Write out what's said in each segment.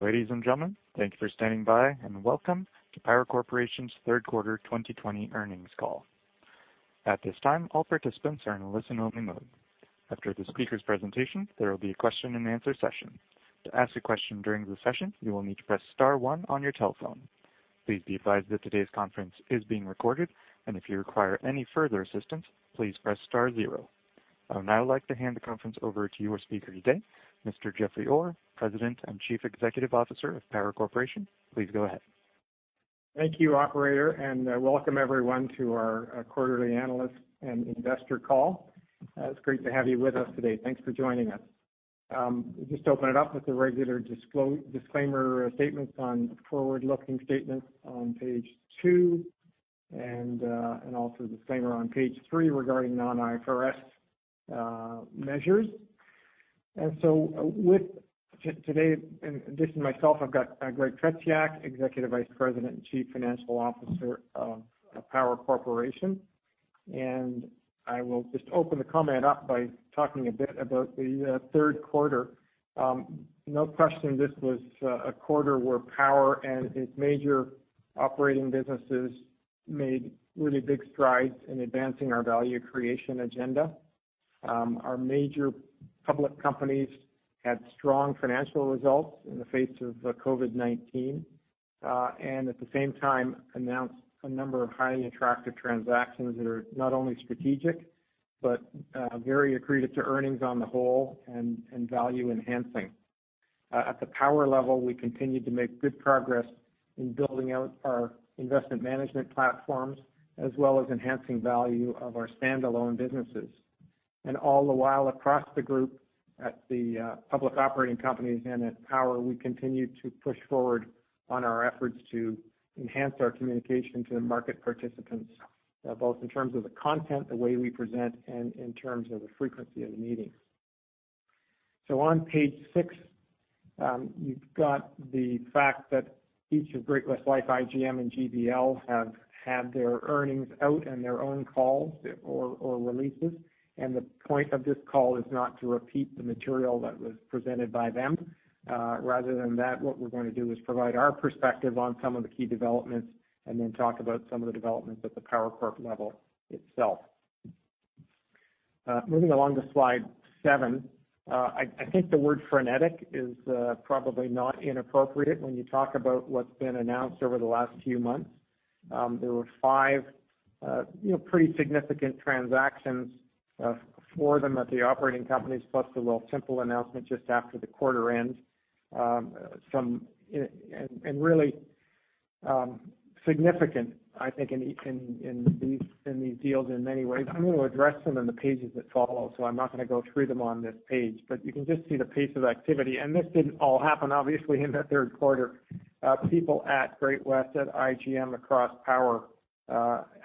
Ladies and gentlemen, thank you for standing by and welcome to Power Corporation's third quarter 2020 earnings call. At this time, all participants are in a listen-only mode. After the speaker's presentation, there will be a question-and-answer session. To ask a question during the session, you will need to press star one on your telephone. Please be advised that today's conference is being recorded, and if you require any further assistance, please press star zero. I would now like to hand the conference over to your speaker today, Mr. Jeffrey Orr, President and Chief Executive Officer of Power Corporation. Please go ahead. Thank you, Operator, and welcome everyone to our quarterly analyst and investor call. It's great to have you with us today. Thanks for joining us. We'll just open it up with the regular disclaimer statements on forward-looking statements on page two, and also a disclaimer on page three regarding non-IFRS measures, and so today, in addition to myself, I've got Greg Tretiak, Executive Vice President and Chief Financial Officer of Power Corporation, and I will just open the comment up by talking a bit about the third quarter. No question, this was a quarter where Power and its major operating businesses made really big strides in advancing our value creation agenda. Our major public companies had strong financial results in the face of COVID-19, and at the same time, announced a number of highly attractive transactions that are not only strategic but very accretive to earnings on the whole and value-enhancing. At the Power level, we continued to make good progress in building out our investment management platforms as well as enhancing the value of our standalone businesses. And all the while across the group, at the public operating companies and at Power, we continued to push forward on our efforts to enhance our communication to market participants, both in terms of the content, the way we present, and in terms of the frequency of the meetings. So on page six, you've got the fact that each of Great-West Life, IGM, and GBL have had their earnings out in their own calls or releases, and the point of this call is not to repeat the material that was presented by them. Rather than that, what we're going to do is provide our perspective on some of the key developments and then talk about some of the developments at the Power Corp level itself. Moving along to slide seven, I think the word "frenetic" is probably not inappropriate when you talk about what's been announced over the last few months. There were five pretty significant transactions for them at the operating companies, plus the little simple announcement just after the quarter end. And really significant, I think, in these deals in many ways. I'm going to address them in the pages that follow, so I'm not going to go through them on this page, but you can just see the pace of activity. This didn't all happen, obviously, in the third quarter. People at Great-West, at IGM, across Power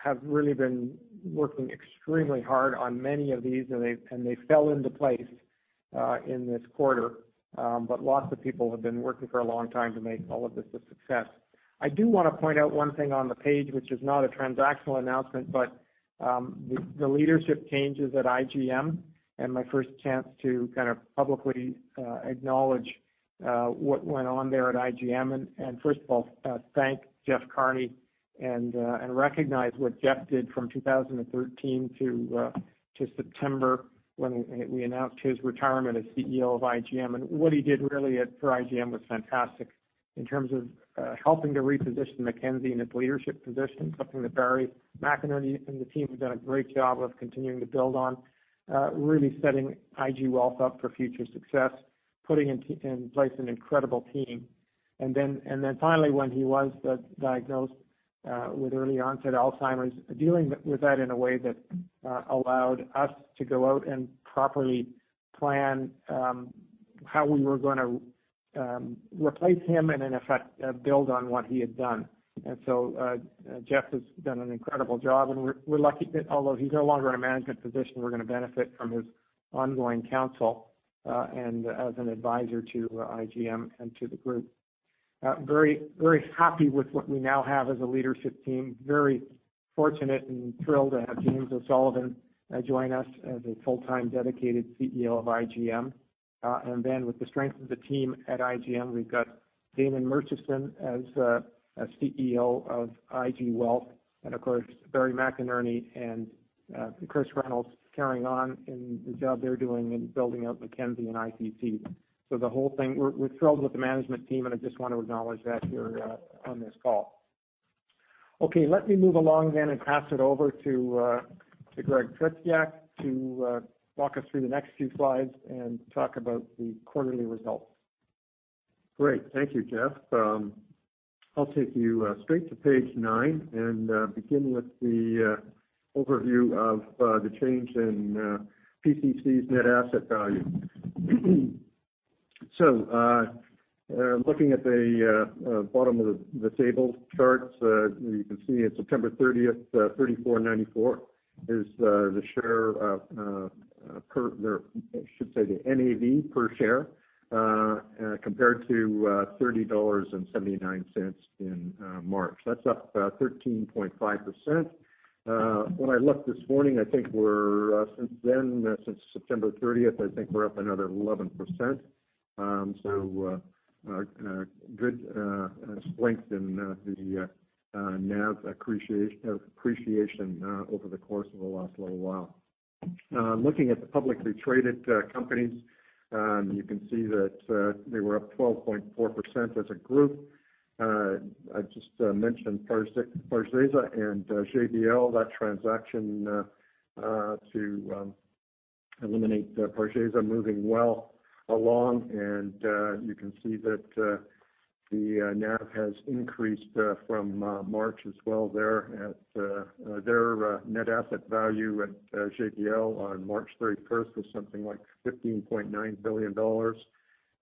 have really been working extremely hard on many of these, and they fell into place in this quarter. Lots of people have been working for a long time to make all of this a success. I do want to point out one thing on the page, which is not a transactional announcement, but the leadership changes at IGM and my first chance to kind of publicly acknowledge what went on there at IGM. First of all, thank Jeff Carney and recognize what Jeff did from 2013 to September when we announced his retirement as CEO of IGM. What he did really for IGM was fantastic in terms of helping to reposition Mackenzie in its leadership position, something that Barry McInerney and the team have done a great job of continuing to build on, really setting IG Wealth up for future success, putting in place an incredible team. Then finally, when he was diagnosed with early-onset Alzheimer's, dealing with that in a way that allowed us to go out and properly plan how we were going to replace him and, in effect, build on what he had done. So Jeff has done an incredible job, and we're lucky that although he's no longer in a management position, we're going to benefit from his ongoing counsel and as an advisor to IGM and to the group. Very happy with what we now have as a leadership team, very fortunate and thrilled to have James O'Sullivan join us as a full-time dedicated CEO of IGM. And then with the strength of the team at IGM, we've got Damon Murchison as CEO of IG Wealth, and of course, Barry McInerney and Chris Reynolds carrying on in the job they're doing in building out Mackenzie and IPC. So the whole thing, we're thrilled with the management team, and I just want to acknowledge that here on this call. Okay, let me move along then and pass it over to Greg Tretiak to walk us through the next few slides and talk about the quarterly results. Great, thank you, Jeff. I'll take you straight to page nine and begin with the overview of the change in PCC's net asset value. So looking at the bottom of the table charts, you can see at September 30th, 34.94 is the share per, I should say the NAV per share compared to 30.79 dollars in March. That's up 13.5%. When I looked this morning, I think we're since then, since September 30th, I think we're up another 11%. So good strength in the NAV appreciation over the course of the last little while. Looking at the publicly traded companies, you can see that they were up 12.4% as a group. I just mentioned Pargesa and GBL, that transaction to eliminate Pargesa moving well along. And you can see that the NAV has increased from March as well there. Their net asset value at GBL on March 31st was something like $15.9 billion,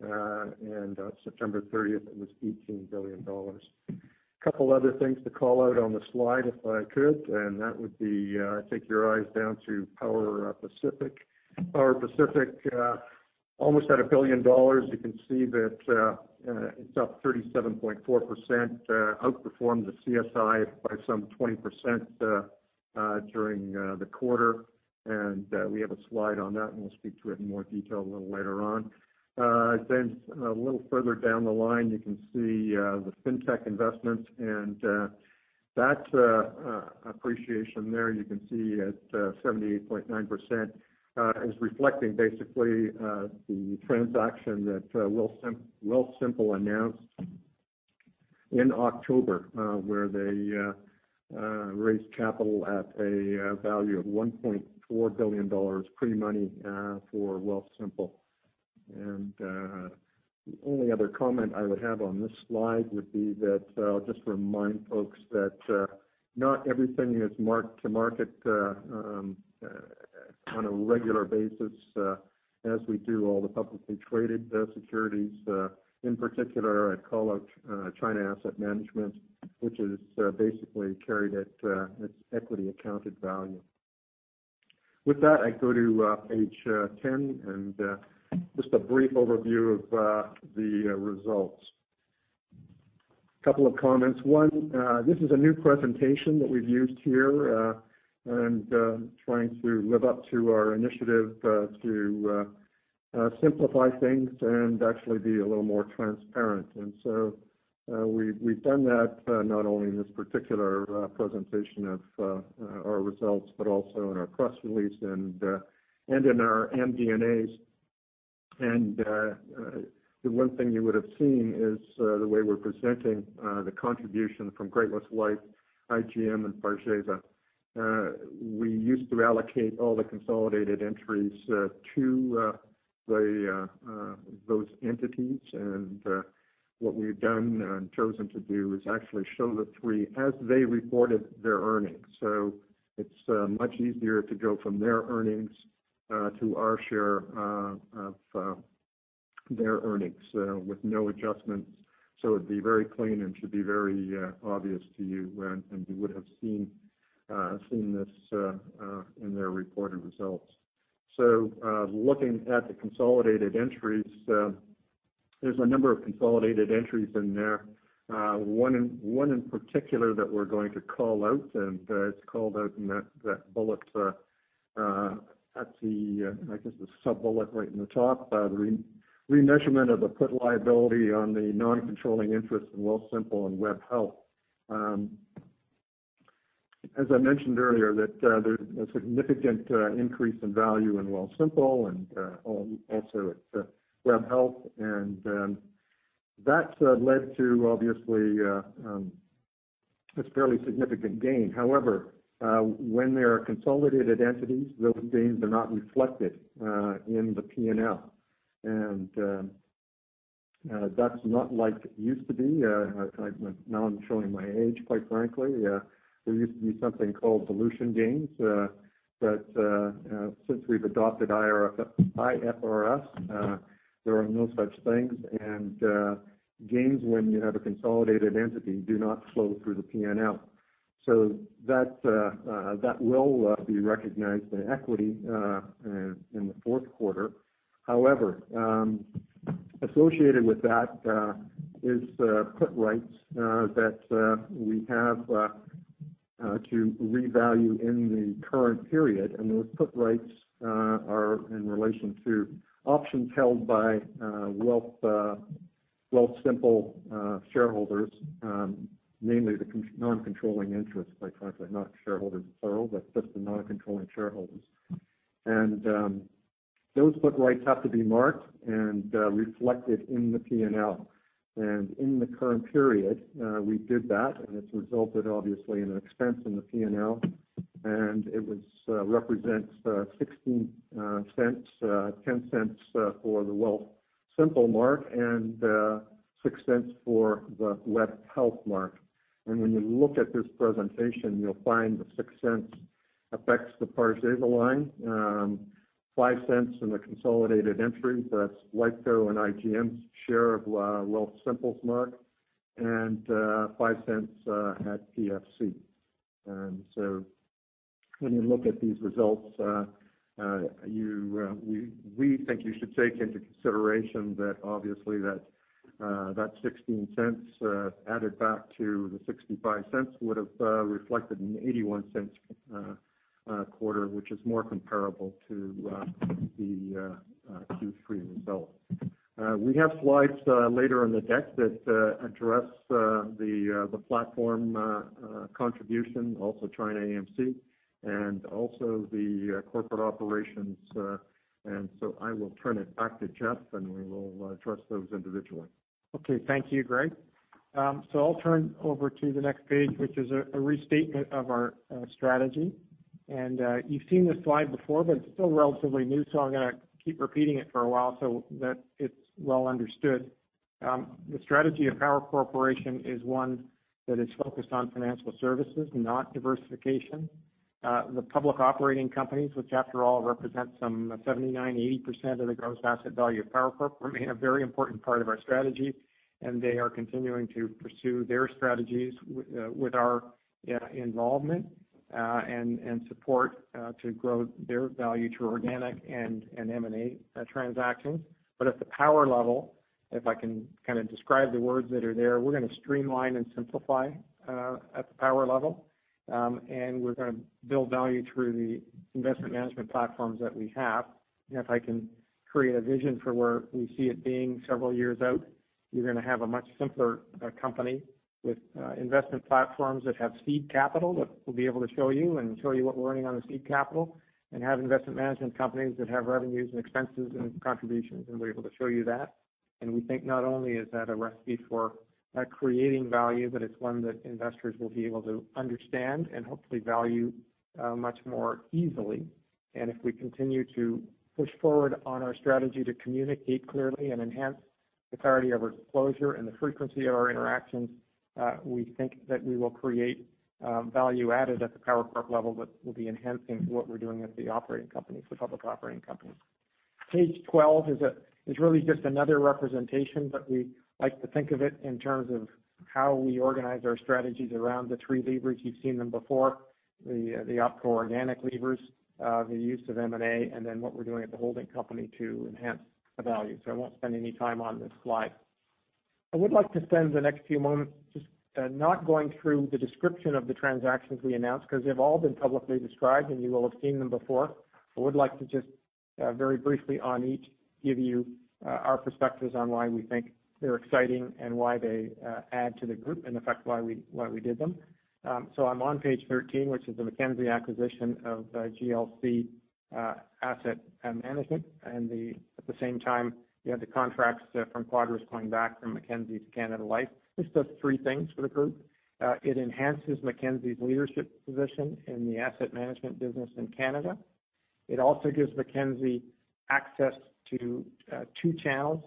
and on September 30th, it was $18 billion. A couple of other things to call out on the slide if I could, and that would be take your eyes down to Power Pacific. Power Pacific almost at a billion dollars. You can see that it's up 37.4%, outperformed the CSI 300 by some 20% during the quarter. We have a slide on that, and we'll speak to it in more detail a little later on. A little further down the line, you can see the fintech investments, and that appreciation there, you can see at 78.9%, is reflecting basically the transaction that Wealthsimple announced in October where they raised capital at a value of $1.4 billion pre-money for Wealthsimple. And the only other comment I would have on this slide would be that I'll just remind folks that not everything is marked to market on a regular basis as we do all the publicly traded securities. In particular, I'd call out China Asset Management, which is basically carried at its equity-accounted value. With that, I'd go to page 10 and just a brief overview of the results. A couple of comments. One, this is a new presentation that we've used here and trying to live up to our initiative to simplify things and actually be a little more transparent. And so we've done that not only in this particular presentation of our results, but also in our press release and in our MD&As. And the one thing you would have seen is the way we're presenting the contribution from Great-West Lifeco, IGM, and Pargesa. We used to allocate all the consolidated entries to those entities, and what we've done and chosen to do is actually show the three as they reported their earnings, so it's much easier to go from their earnings to our share of their earnings with no adjustments, so it'd be very clean and should be very obvious to you, and you would have seen this in their reported results, so looking at the consolidated entries, there's a number of consolidated entries in there. One in particular that we're going to call out, and it's called out in that bullet at the, I guess, the sub-bullet right in the top, the remeasurement of the put liability on the non-controlling interest in Wealthsimple and Webhelp. As I mentioned earlier, there's a significant increase in value in Wealthsimple and also at Webhelp, and that led to obviously a fairly significant gain. However, when there are consolidated entities, those gains are not reflected in the P&L, and that's not like it used to be. Now I'm showing my age, quite frankly. There used to be something called dilution gains, but since we've adopted IFRS, there are no such things, and gains when you have a consolidated entity do not flow through the P&L. So that will be recognized in equity in the fourth quarter. However, associated with that is put rights that we have to revalue in the current period, and those put rights are in relation to options held by Wealthsimple shareholders, namely the non-controlling interest, quite frankly, not shareholders plural, but just the non-controlling shareholders. And those put rights have to be marked and reflected in the P&L. and in the current period, we did that, and it's resulted obviously in an expense in the P&L, and it represents 0.16, 0.10 for the Wealthsimple mark, and 0.06 for the Webhelp mark. and when you look at this presentation, you'll find the 0.06 affects the Pargesa line, 0.05 in the consolidated entry, that's Lifeco and IGM's share of Wealthsimple's mark, and 0.05 at PFC. and so when you look at these results, we think you should take into consideration that obviously that 0.16 added back to the 0.65 would have reflected a 0.81 quarter, which is more comparable to the Q3 result. We have slides later in the deck that address the platform contribution, also China AMC, and also the corporate operations. and so I will turn it back to Jeff, and we will address those individually. Okay, thank you, Greg. So I'll turn over to the next page, which is a restatement of our strategy, and you've seen this slide before, but it's still relatively new, so I'm going to keep repeating it for a while so that it's well understood. The strategy of Power Corporation is one that is focused on financial services, not diversification. The public operating companies, which after all represent some 79%-80% of the gross asset value of Power Corporation, are a very important part of our strategy, and they are continuing to pursue their strategies with our involvement and support to grow their value through organic and M&A transactions, but at the power level, if I can kind of describe the words that are there, we're going to streamline and simplify at the power level, and we're going to build value through the investment management platforms that we have. And if I can create a vision for where we see it being several years out, you're going to have a much simpler company with investment platforms that have seed capital that we'll be able to show you and show you what we're earning on the seed capital, and have investment management companies that have revenues and expenses and contributions, and we're able to show you that. And we think not only is that a recipe for creating value, but it's one that investors will be able to understand and hopefully value much more easily. And if we continue to push forward on our strategy to communicate clearly and enhance the clarity of our disclosure and the frequency of our interactions, we think that we will create value added at the Power Corporation level that will be enhancing what we're doing at the operating companies, the public operating companies. Page 12 is really just another representation, but we like to think of it in terms of how we organize our strategies around the three levers. You've seen them before: the opco organic levers, the use of M&A, and then what we're doing at the holding company to enhance the value. So I won't spend any time on this slide. I would like to spend the next few moments just not going through the description of the transactions we announced because they've all been publicly described, and you will have seen them before. I would like to just very briefly on each give you our perspectives on why we think they're exciting and why they add to the group and, in effect, why we did them. I'm on page 13, which is the Mackenzie acquisition of GLC Asset Management, and at the same time, you have the contracts from Quadrus going back from Mackenzie to Canada Life. This does three things for the group. It enhances Mackenzie's leadership position in the asset management business in Canada. It also gives Mackenzie access to two channels,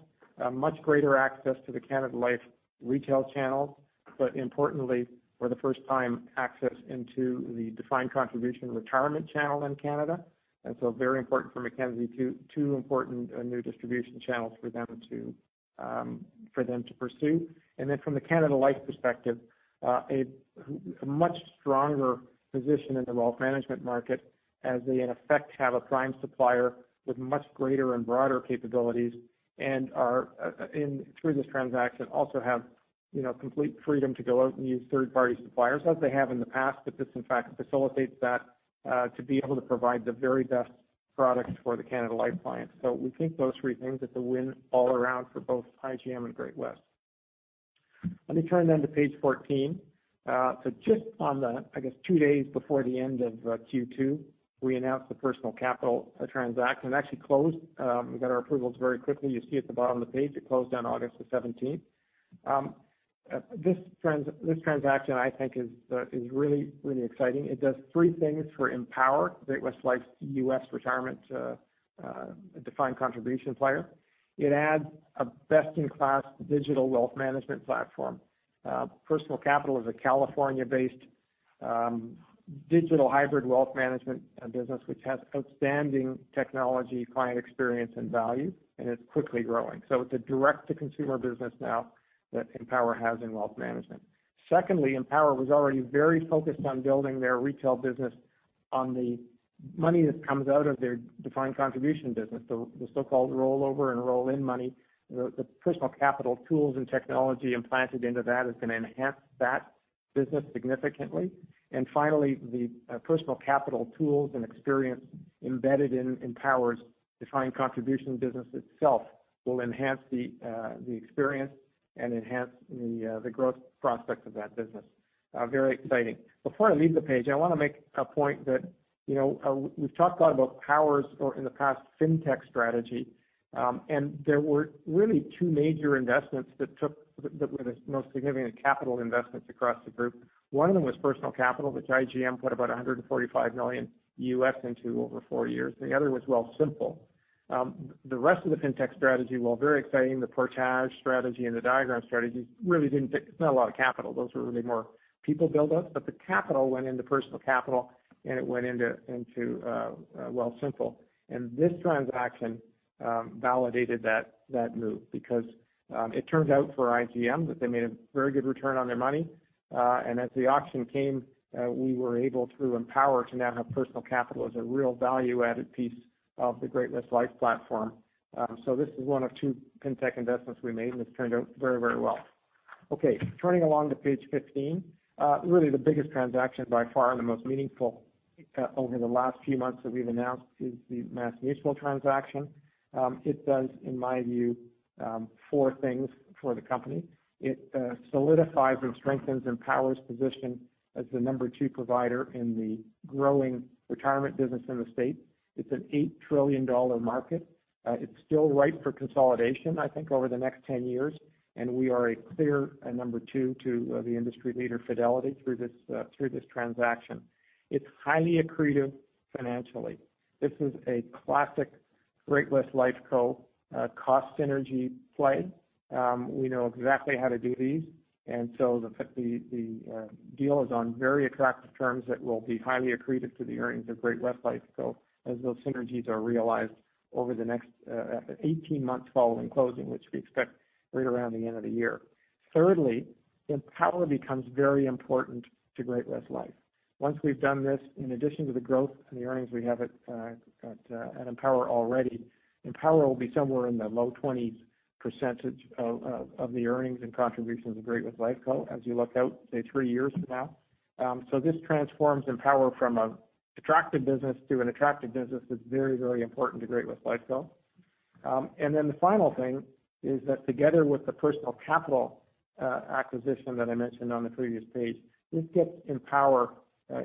much greater access to the Canada Life retail channels, but importantly, for the first time, access into the defined contribution retirement channel in Canada. And so very important for Mackenzie, two important new distribution channels for them to pursue. And then, from the Canada Life perspective, a much stronger position in the wealth management market as they, in effect, have a prime supplier with much greater and broader capabilities and are, through this transaction, also have complete freedom to go out and use third-party suppliers as they have in the past, but this, in fact, facilitates that to be able to provide the very best products for the Canada Life clients. So we think those three things are the win all around for both IGM and Great-West. Let me turn then to page 14. So just on the, I guess, two days before the end of Q2, we announced the Personal Capital transaction. It actually closed. We got our approvals very quickly. You see at the bottom of the page, it closed on August the 17th. This transaction, I think, is really, really exciting. It does three things for Empower, Great-West Lifeco's U.S. retirement defined contribution player. It adds a best-in-class digital wealth management platform. Personal Capital is a California-based digital hybrid wealth management business which has outstanding technology, client experience, and value, and it's quickly growing. So it's a direct-to-consumer business now that Empower has in wealth management. Secondly, Empower was already very focused on building their retail business on the money that comes out of their defined contribution business, the so-called rollover and roll-in money. The Personal Capital tools and technology implanted into that is going to enhance that business significantly. And finally, the Personal Capital tools and experience embedded in Empower's defined contribution business itself will enhance the experience and enhance the growth prospects of that business. Very exciting. Before I leave the page, I want to make a point that we've talked a lot about Power's in the past fintech strategy, and there were really two major investments that were the most significant capital investments across the group. One of them was Personal Capital, which IGM put about $145 million into over four years. The other was Wealthsimple. The rest of the fintech strategy, while very exciting, the Portage strategy and the Diagram strategy, really didn't take not a lot of capital. Those were really more people build-ups, but the capital went into Personal Capital, and it went into Wealthsimple. And this transaction validated that move because it turned out for IGM that they made a very good return on their money. As the auction came, we were able, through Empower, to now have Personal Capital as a real value-added piece of the Great-West Lifeco platform. So this is one of two fintech investments we made, and this turned out very, very well. Okay, turning to page 15, really the biggest transaction by far and the most meaningful over the last few months that we've announced is the MassMutual transaction. It does, in my view, four things for the company. It solidifies and strengthens Empower's position as the number two provider in the growing retirement business in the U.S. It's an $8 trillion market. It's still ripe for consolidation, I think, over the next 10 years, and we are a clear number two to the industry leader, Fidelity, through this transaction. It's highly accretive financially. This is a classic Great-West Lifeco low-cost synergy play. We know exactly how to do these, and so the deal is on very attractive terms that will be highly accretive to the earnings of Great-West Lifeco as those synergies are realized over the next 18 months following closing, which we expect right around the end of the year. Thirdly, Empower becomes very important to Great-West Lifeco. Once we've done this, in addition to the growth and the earnings we have at Empower already, Empower will be somewhere in the low 20% of the earnings and contributions of Great-West Lifeco as you look out, say, three years from now. So this transforms Empower from an attractive business to an attractive business that's very, very important to Great-West Lifeco. And then the final thing is that together with the Personal Capital acquisition that I mentioned on the previous page, this gets Empower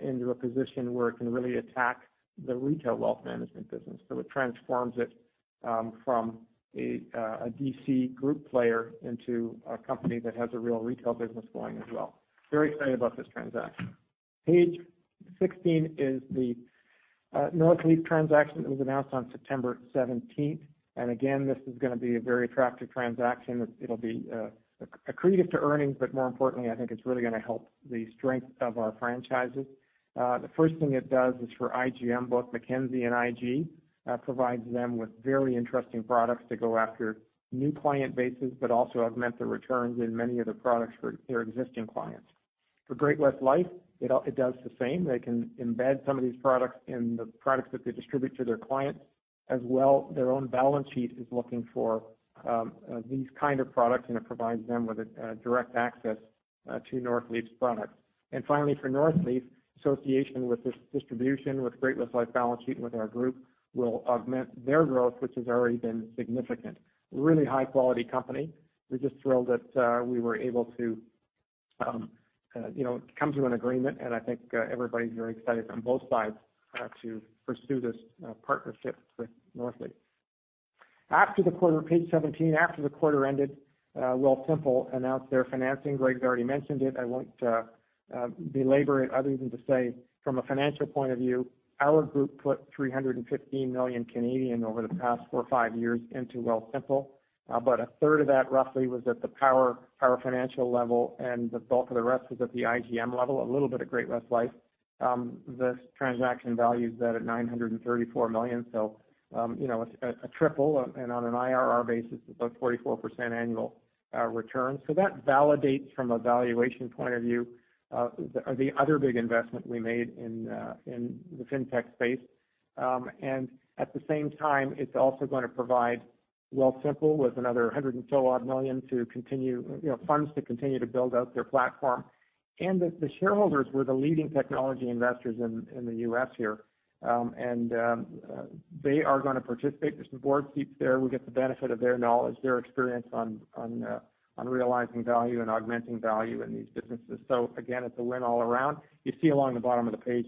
into a position where it can really attack the retail wealth management business. So it transforms it from a DC group player into a company that has a real retail business going as well. Very excited about this transaction. Page 16 is the Northleaf transaction that was announced on September 17th. And again, this is going to be a very attractive transaction. It'll be accretive to earnings, but more importantly, I think it's really going to help the strength of our franchises. The first thing it does is for IGM, both Mackenzie and IG, provides them with very interesting products to go after new client bases, but also augment the returns in many of the products for their existing clients. For Great-West Lifeco, it does the same. They can embed some of these products in the products that they distribute to their clients as well. Their own balance sheet is looking for these kinds of products, and it provides them with direct access to Northleaf's products. And finally, for Northleaf, association with this distribution, with Great-West Lifeco balance sheet and with our group, will augment their growth, which has already been significant. Really high-quality company. We're just thrilled that we were able to come to an agreement, and I think everybody's very excited on both sides to pursue this partnership with Northleaf. Page 17, after the quarter ended, Wealthsimple announced their financing. Greg's already mentioned it. I won't belabor it other than to say, from a financial point of view, our group put 315 million over the past four or five years into Wealthsimple, but a third of that roughly was at the Power Financial level, and the bulk of the rest was at the IGM level, a little bit at Great-West Life. This transaction values that at 934 million, so a triple, and on an IRR basis, it's about 44% annual return. So that validates from a valuation point of view the other big investment we made in the fintech space. And at the same time, it's also going to provide Wealthsimple with another hundred and so odd million to continue funds to continue to build out their platform. And the shareholders were the leading technology investors in the U.S. here, and they are going to participate. There's some board seats there. We get the benefit of their knowledge, their experience on realizing value and augmenting value in these businesses. So again, it's a win all around. You see along the bottom of the page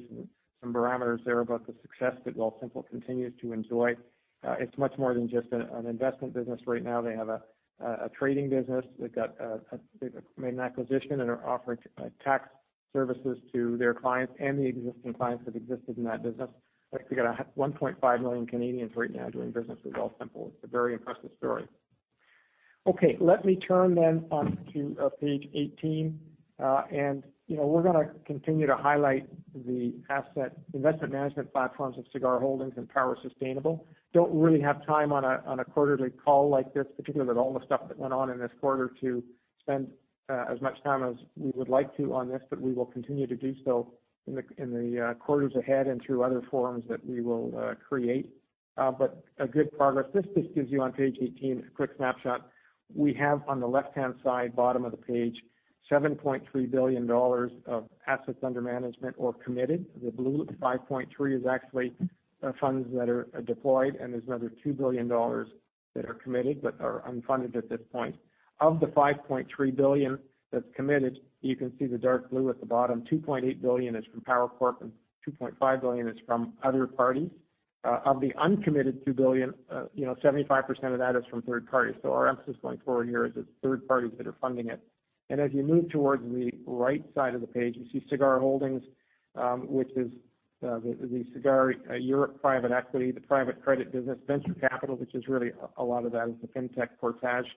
some barometers there about the success that Wealthsimple continues to enjoy. It's much more than just an investment business right now. They have a trading business. They've made an acquisition and are offering tax services to their clients and the existing clients that have existed in that business. I think they've got 1.5 million Canadians right now doing business with Wealthsimple. It's a very impressive story. Okay, let me turn then on to page 18, and we're going to continue to highlight the investment management platforms of Sagard Holdings and Power Sustainable. Don't really have time on a quarterly call like this, particularly with all the stuff that went on in this quarter, to spend as much time as we would like to on this, but we will continue to do so in the quarters ahead and through other forums that we will create. But a good progress. This just gives you on page 18 a quick snapshot. We have on the left-hand side, bottom of the page, $7.3 billion of assets under management or committed. The blue 5.3 is actually funds that are deployed, and there's another $2 billion that are committed but are unfunded at this point. Of the 5.3 billion that's committed, you can see the dark blue at the bottom. $2.8 billion is from Power Corporation, and $2.5 billion is from other parties. Of the uncommitted $2 billion, 75% of that is from third parties. Our emphasis going forward here is it's third parties that are funding it. And as you move towards the right side of the page, you see Sagard Holdings, which is the Sagard Europe private equity, the private credit business, venture capital, which is really a lot of that is the fintech Portage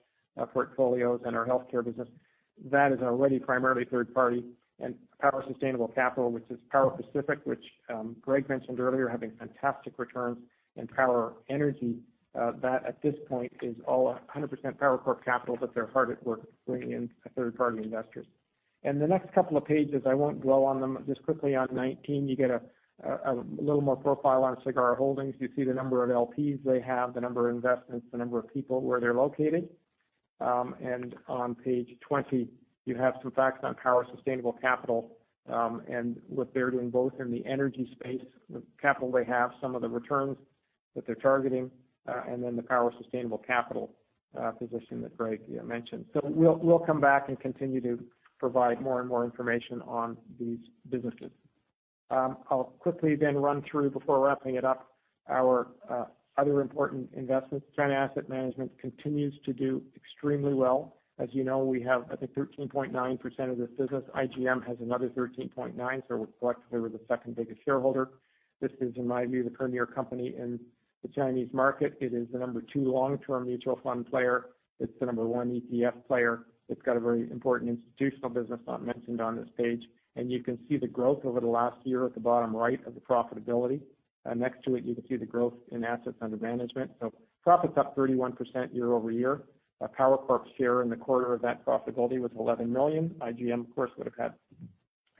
portfolios and our healthcare business. That is already primarily third party. And Power Sustainable Capital, which is Power Pacific, which Greg mentioned earlier having fantastic returns, and Power Energy that at this point is all 100% Power Corporation capital, but they're hard at work bringing in third-party investors. And the next couple of pages, I won't dwell on them. Just quickly on 19, you get a little more profile on Sagard Holdings. You see the number of LPs they have, the number of investments, the number of people where they're located. And on page 20, you have some facts on Power Sustainable Capital and what they're doing both in the energy space, the capital they have, some of the returns that they're targeting, and then the Power Sustainable Capital position that Greg mentioned. So we'll come back and continue to provide more and more information on these businesses. I'll quickly then run through before wrapping it up our other important investments. China Asset Management continues to do extremely well. As you know, we have, I think, 13.9% of this business. IGM has another 13.9%, so we're collectively the second biggest shareholder. This is, in my view, the premier company in the Chinese market. It is the number two long-term mutual fund player. It's the number one ETF player. It's got a very important institutional business not mentioned on this page. You can see the growth over the last year at the bottom right of the profitability. Next to it, you can see the growth in assets under management. Profits up 31% year over year. Power Corporation's share in the quarter of that profitability was 11 million. IGM, of course, would have had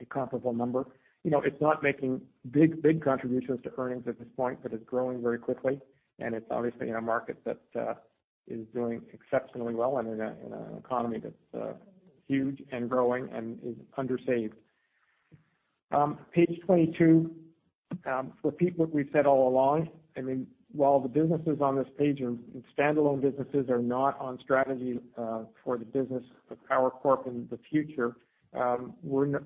a comparable number. It's not making big contributions to earnings at this point, but it's growing very quickly, and it's obviously in a market that is doing exceptionally well and in an economy that's huge and growing and is undersaved. Page 22, what we've said all along, I mean, while the businesses on this page and standalone businesses are not on strategy for the business of Power Corporation in the future,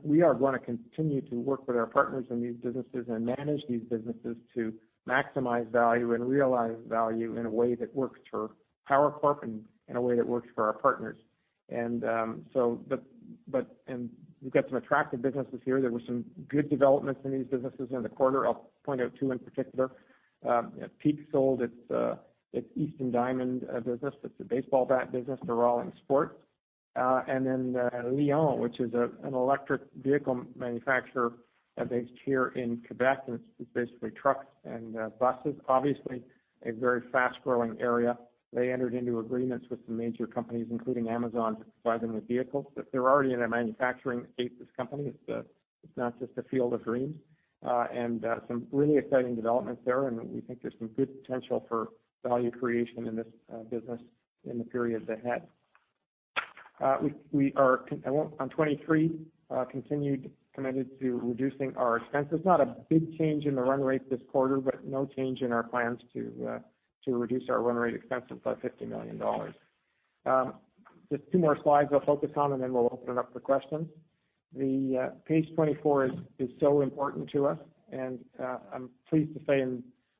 we are going to continue to work with our partners in these businesses and manage these businesses to maximize value and realize value in a way that works for Power Corporation and in a way that works for our partners. We've got some attractive businesses here. There were some good developments in these businesses in the quarter. I'll point out two in particular. Peak sold its Easton Diamond business. It's a baseball bat business to Rawlings Sporting Goods. Lion, which is an electric vehicle manufacturer based here in Quebec, and it's basically trucks and buses. Obviously, a very fast-growing area. They entered into agreements with some major companies, including Amazon, to provide them with vehicles. They're already in a manufacturing state this company. It's not just a field of dreams, and some really exciting developments there, and we think there's some good potential for value creation in this business in the period ahead. On 23, we're committed to reducing our expenses. Not a big change in the run rate this quarter, but no change in our plans to reduce our run rate expense of about 50 million dollars. Just two more slides I'll focus on, and then we'll open it up for questions. Page 24 is so important to us, and I'm pleased to say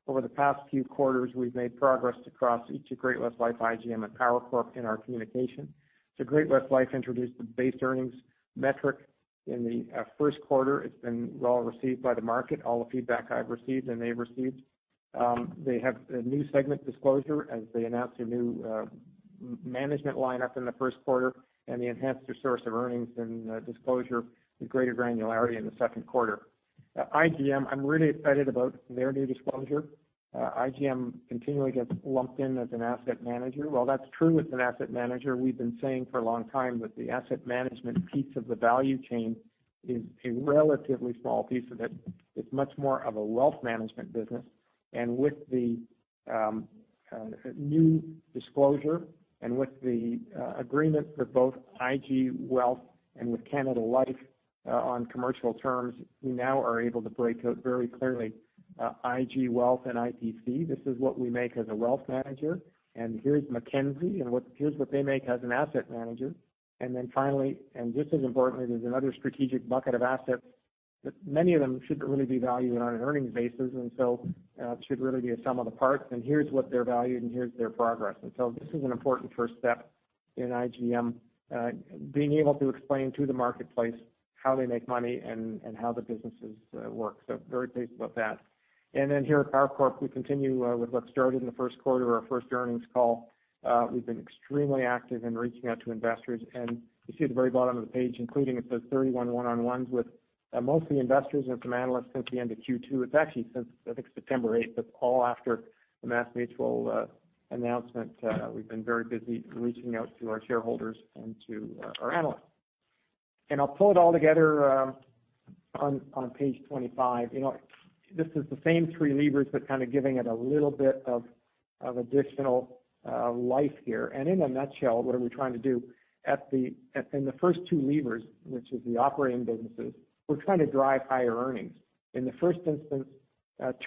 over the past few quarters, we've made progress across each of Great-West Lifeco, IGM, and Power Corporation in our communication. Great-West Lifeco introduced the base earnings metric in the first quarter. It's been well received by the market, all the feedback I've received and they've received. They have a new segment disclosure as they announce their new management lineup in the first quarter, and they enhanced their source of earnings in the disclosure with greater granularity in the second quarter. IGM, I'm really excited about their new disclosure. IGM continually gets lumped in as an asset manager. While that's true, it's an asset manager. We've been saying for a long time that the asset management piece of the value chain is a relatively small piece of it. It's much more of a wealth management business. And with the new disclosure and with the agreement with both IG Wealth and with Canada Life on commercial terms, we now are able to break out very clearly IG Wealth and IPC. This is what we make as a wealth manager, and here's Mackenzie, and here's what they make as an asset manager. And then finally, and just as importantly, there's another strategic bucket of assets that many of them shouldn't really be valued on an earnings basis, and so it should really be a sum of the parts. And here's what they're valued, and here's their progress. And so this is an important first step in IGM, being able to explain to the marketplace how they make money and how the businesses work. So very pleased about that. And then here at Power Corporation, we continue with what started in the first quarter, our first earnings call. We've been extremely active in reaching out to investors, and you see at the very bottom of the page, including it says 31 one-on-ones with mostly investors and some analysts since the end of Q2. It's actually since, I think, September 8th. That's all after the MassMutual announcement. We've been very busy reaching out to our shareholders and to our analysts. And I'll pull it all together on page 25. This is the same three levers, but kind of giving it a little bit of additional life here. And in a nutshell, what are we trying to do? In the first two levers, which is the operating businesses, we're trying to drive higher earnings. In the first instance,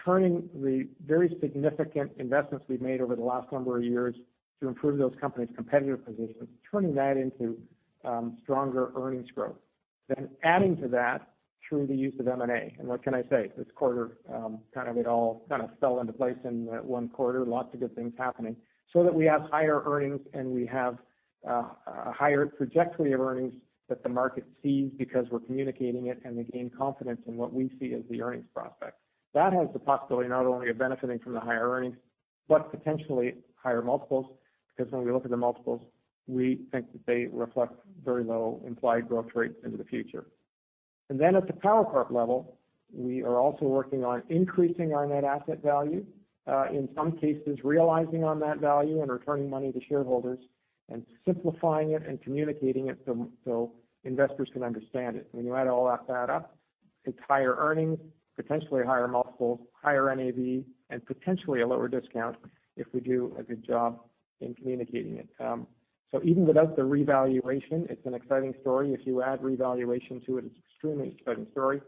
turning the very significant investments we've made over the last number of years to improve those companies' competitive positions, turning that into stronger earnings growth. Then adding to that through the use of M&A. And what can I say? This quarter, kind of it all kind of fell into place in one quarter. Lots of good things happening so that we have higher earnings and we have a higher trajectory of earnings that the market sees because we're communicating it and they gain confidence in what we see as the earnings prospect. That has the possibility not only of benefiting from the higher earnings, but potentially higher multiples, because when we look at the multiples, we think that they reflect very low implied growth rates into the future. And then at the Power Corporation level, we are also working on increasing our net asset value, in some cases realizing on that value and returning money to shareholders and simplifying it and communicating it so investors can understand it. When you add all that up, it's higher earnings, potentially higher multiples, higher NAV, and potentially a lower discount if we do a good job in communicating it. So even without the revaluation, it's an exciting story. If you add revaluation to it, it's an extremely exciting story,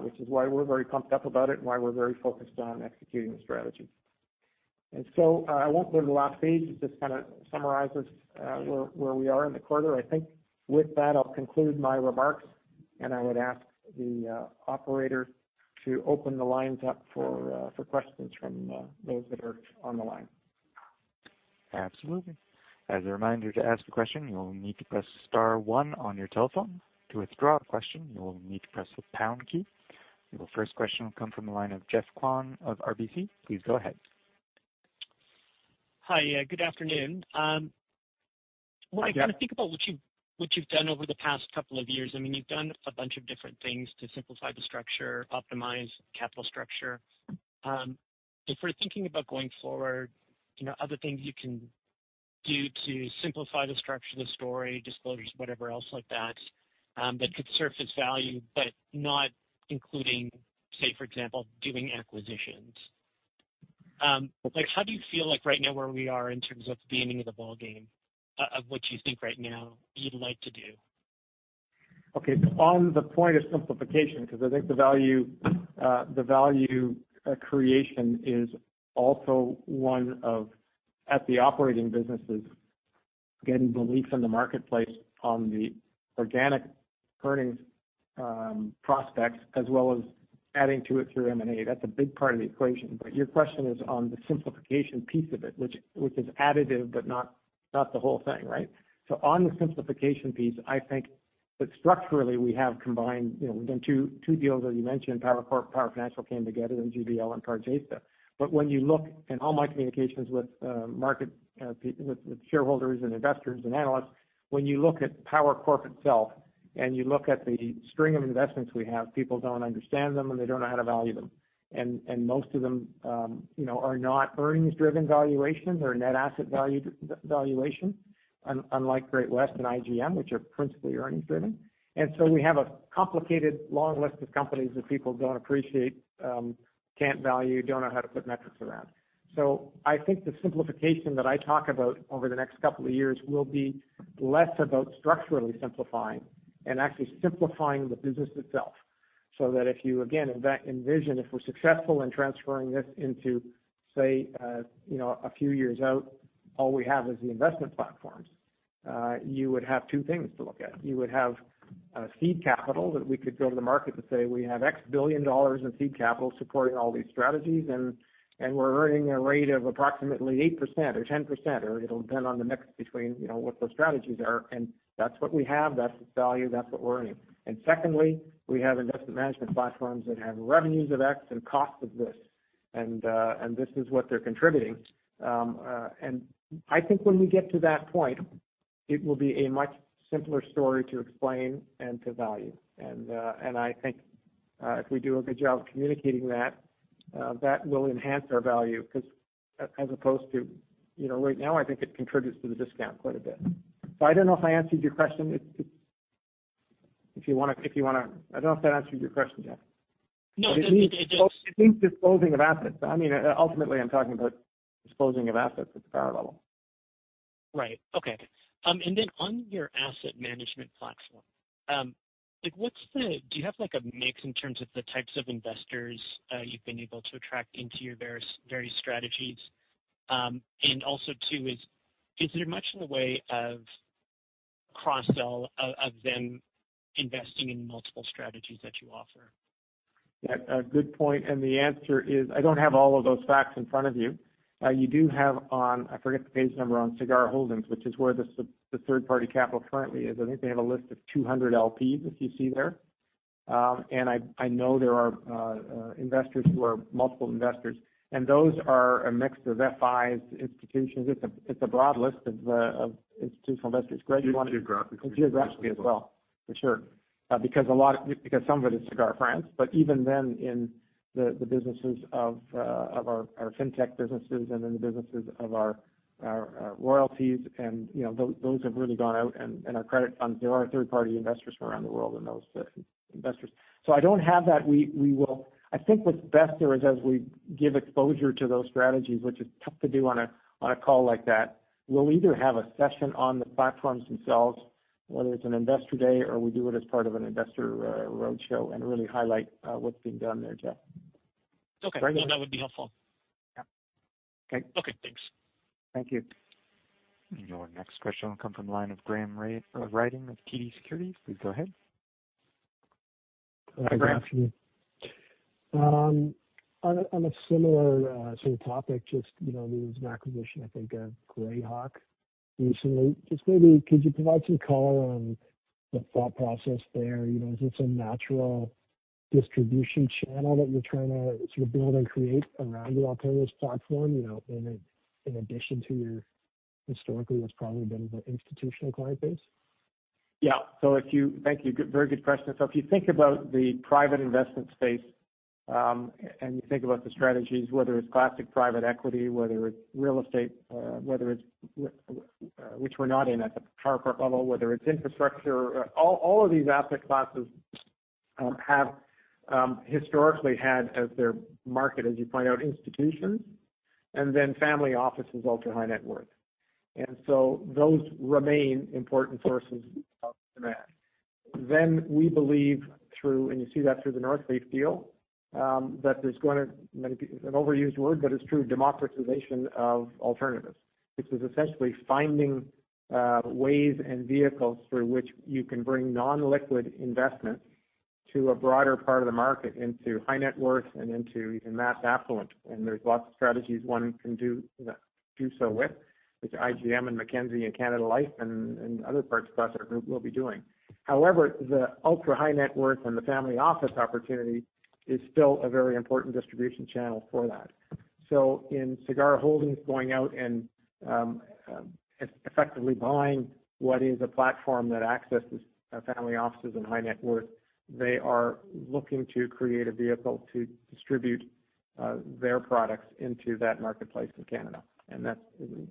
which is why we're very pumped up about it and why we're very focused on executing the strategy. And so I won't go to the last page. It just kind of summarizes where we are in the quarter. I think with that, I'll conclude my remarks, and I would ask the operator to open the lines up for questions from those that are on the line. Absolutely. As a reminder to ask a question, you will need to press star one on your telephone. To withdraw a question, you will need to press the pound key. Your first question will come from the line of Geoff Kwan of RBC. Please go ahead. Hi, good afternoon. When I kind of think about what you've done over the past couple of years, I mean, you've done a bunch of different things to simplify the structure, optimize capital structure. If we're thinking about going forward, are there things you can do to simplify the structure, the story, disclosures, whatever else like that that could surface value but not including, say, for example, doing acquisitions? How do you feel like right now where we are in terms of the beginning of the ballgame of what you think right now you'd like to do? Okay, so on the point of simplification, because I think the value creation is also one of, at the operating businesses, getting belief in the marketplace on the organic earnings prospects as well as adding to it through M&A. That's a big part of the equation. But your question is on the simplification piece of it, which is additive but not the whole thing, right? So on the simplification piece, I think that structurally we have combined. We've done two deals, as you mentioned, Power Corporation, Power Financial came together, and GBL and Pargesa. But when you look at all my communications with shareholders and investors and analysts, when you look at Power Corporation itself and you look at the string of investments we have, people don't understand them and they don't know how to value them. And most of them are not earnings-driven valuation. They're net asset valuation, unlike Great-West and IGM, which are principally earnings-driven, and so we have a complicated, long list of companies that people don't appreciate, can't value, don't know how to put metrics around, so I think the simplification that I talk about over the next couple of years will be less about structurally simplifying and actually simplifying the business itself so that if you, again, envision if we're successful in transferring this into, say, a few years out, all we have is the investment platforms, you would have two things to look at. You would have seed capital that we could go to the market to say, "We have CAD X billion in seed capital supporting all these strategies, and we're earning a rate of approximately 8% or 10%," or it'll depend on the mix between what those strategies are, and that's what we have. That's the value. That's what we're earning. And secondly, we have investment management platforms that have revenues of X and costs of this. And this is what they're contributing. And I think when we get to that point, it will be a much simpler story to explain and to value. And I think if we do a good job of communicating that, that will enhance our value because as opposed to right now, I think it contributes to the discount quite a bit. So I don't know if I answered your question. If you want to, I don't know if that answered your question, Jeff. No, it didn't. It seems disposing of assets. I mean, ultimately, I'm talking about disposing of assets at the Power level. Right. Okay. And then on your asset management platform, do you have a mix in terms of the types of investors you've been able to attract into your various strategies? And also too, is there much in the way of cross-sell of them investing in multiple strategies that you offer? Yeah, good point. And the answer is I don't have all of those facts in front of you. You do have on—I forget the page number—on Sagard Holdings, which is where the third-party capital currently is. I think they have a list of 200 LPs, if you see there. And I know there are investors who are multiple investors. And those are a mix of FIs, institutions. It's a broad list of institutional investors. Greg, you want to. Geographically. Geographically as well, for sure. Because some of it is Sagard France. But even then in the businesses of our fintech businesses and in the businesses of our royalties, those have really gone out. And our credit funds, there are third-party investors from around the world in those investors. So I don't have that. I think what's best there is as we give exposure to those strategies, which is tough to do on a call like that, we'll either have a session on the platforms themselves, whether it's an investor day, or we do it as part of an investor roadshow and really highlight what's being done there, Jeff. Okay. No, that would be helpful. Yeah. Okay. Thanks. Thank you. Your next question will come from the line of Graham Ryding of TD Securities. Please go ahead. Hi, Graham. On a similar sort of topic, just there was an acquisition, I think, of Grayhawk recently. Just maybe could you provide some color on the thought process there? Is this a natural distribution channel that you're trying to sort of build and create around your alternatives platform in addition to your historically what's probably been the institutional client base? Yeah. Thank you. Very good question. So if you think about the private investment space and you think about the strategies, whether it's classic private equity, whether it's real estate, which we're not in at the Power Corporation level, whether it's infrastructure, all of these asset classes have historically had, as their market, as you point out, institutions and then family offices, ultra-high net worth. And so those remain important sources of demand. Then we believe through, and you see that through the Northleaf deal, that there's going to, an overused word, but it's true, democratization of alternatives, which is essentially finding ways and vehicles through which you can bring non-liquid investments to a broader part of the market into high net worth and into even mass affluent. And there's lots of strategies one can do so with, which IGM and Mackenzie and Canada Life and other parts across our group will be doing. However, the ultra-high net worth and the family office opportunity is still a very important distribution channel for that. So in Sagard Holdings going out and effectively buying what is a platform that accesses family offices and high net worth, they are looking to create a vehicle to distribute their products into that marketplace in Canada. And that's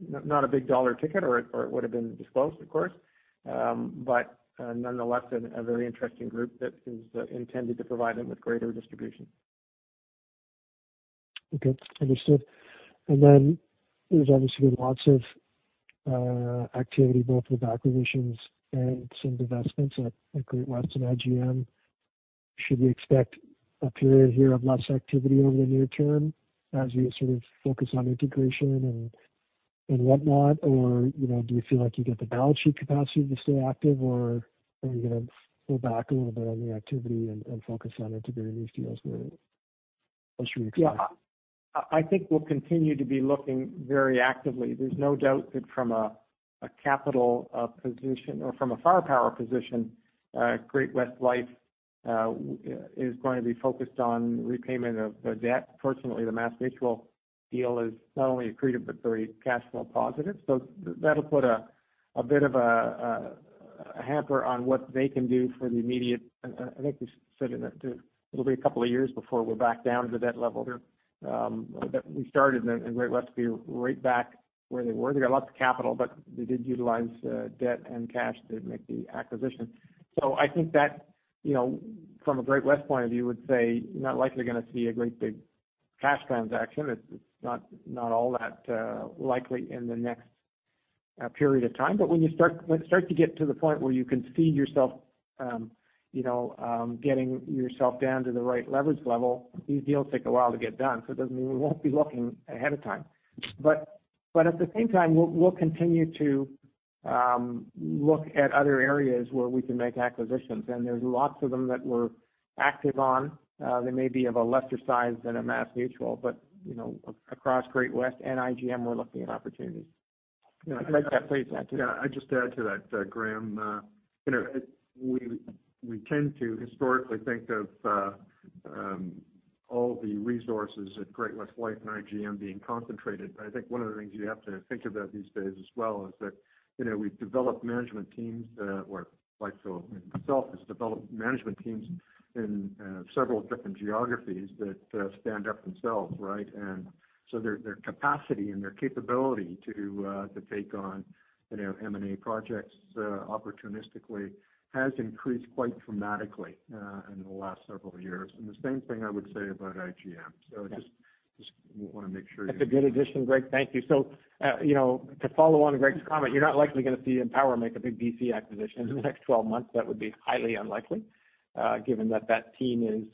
not a big dollar ticket, or it would have been disclosed, of course, but nonetheless, a very interesting group that is intended to provide them with greater distribution. Okay. Understood. And then there's obviously been lots of activity, both with acquisitions and some investments at Great-West and IGM. Should we expect a period here of less activity over the near term as you sort of focus on integration and whatnot, or do you feel like you get the balance sheet capacity to stay active, or are you going to pull back a little bit on the activity and focus on integrating these deals where it's mostly expected? Yeah. I think we'll continue to be looking very actively. There's no doubt that from a capital position or from a firepower position, Great-West Life is going to be focused on repayment of debt. Fortunately, the MassMutual deal is not only accretive but very cash flow positive. So that'll put a bit of a hamper on what they can do for the immediate, I think we said it'll be a couple of years before we're back down to that level that we started, and Great-West will be right back where they were. They got lots of capital, but they did utilize debt and cash to make the acquisition. So I think that from a Great-West point of view, we'd say you're not likely going to see a great big cash transaction. It's not all that likely in the next period of time. But when you start to get to the point where you can see yourself getting yourself down to the right leverage level, these deals take a while to get done. So it doesn't mean we won't be looking ahead of time. But at the same time, we'll continue to look at other areas where we can make acquisitions. And there's lots of them that we're active on. They may be of a lesser size than a MassMutual, but across Great-West and IGM, we're looking at opportunities. Greg, please add to that. Yeah. I'd just add to that, Graham. We tend to historically think of all the resources at Great-West Life and IGM being concentrated. But I think one of the things you have to think about these days as well is that we've developed management teams—or Lifeco himself has developed management teams in several different geographies that stand up themselves, right? And so their capacity and their capability to take on M&A projects opportunistically has increased quite dramatically in the last several years. And the same thing I would say about IGM. So I just want to make sure you're. That's a good addition, Greg. Thank you. So to follow on Greg's comment, you're not likely going to see Empower make a big VC acquisition in the next 12 months. That would be highly unlikely given that that team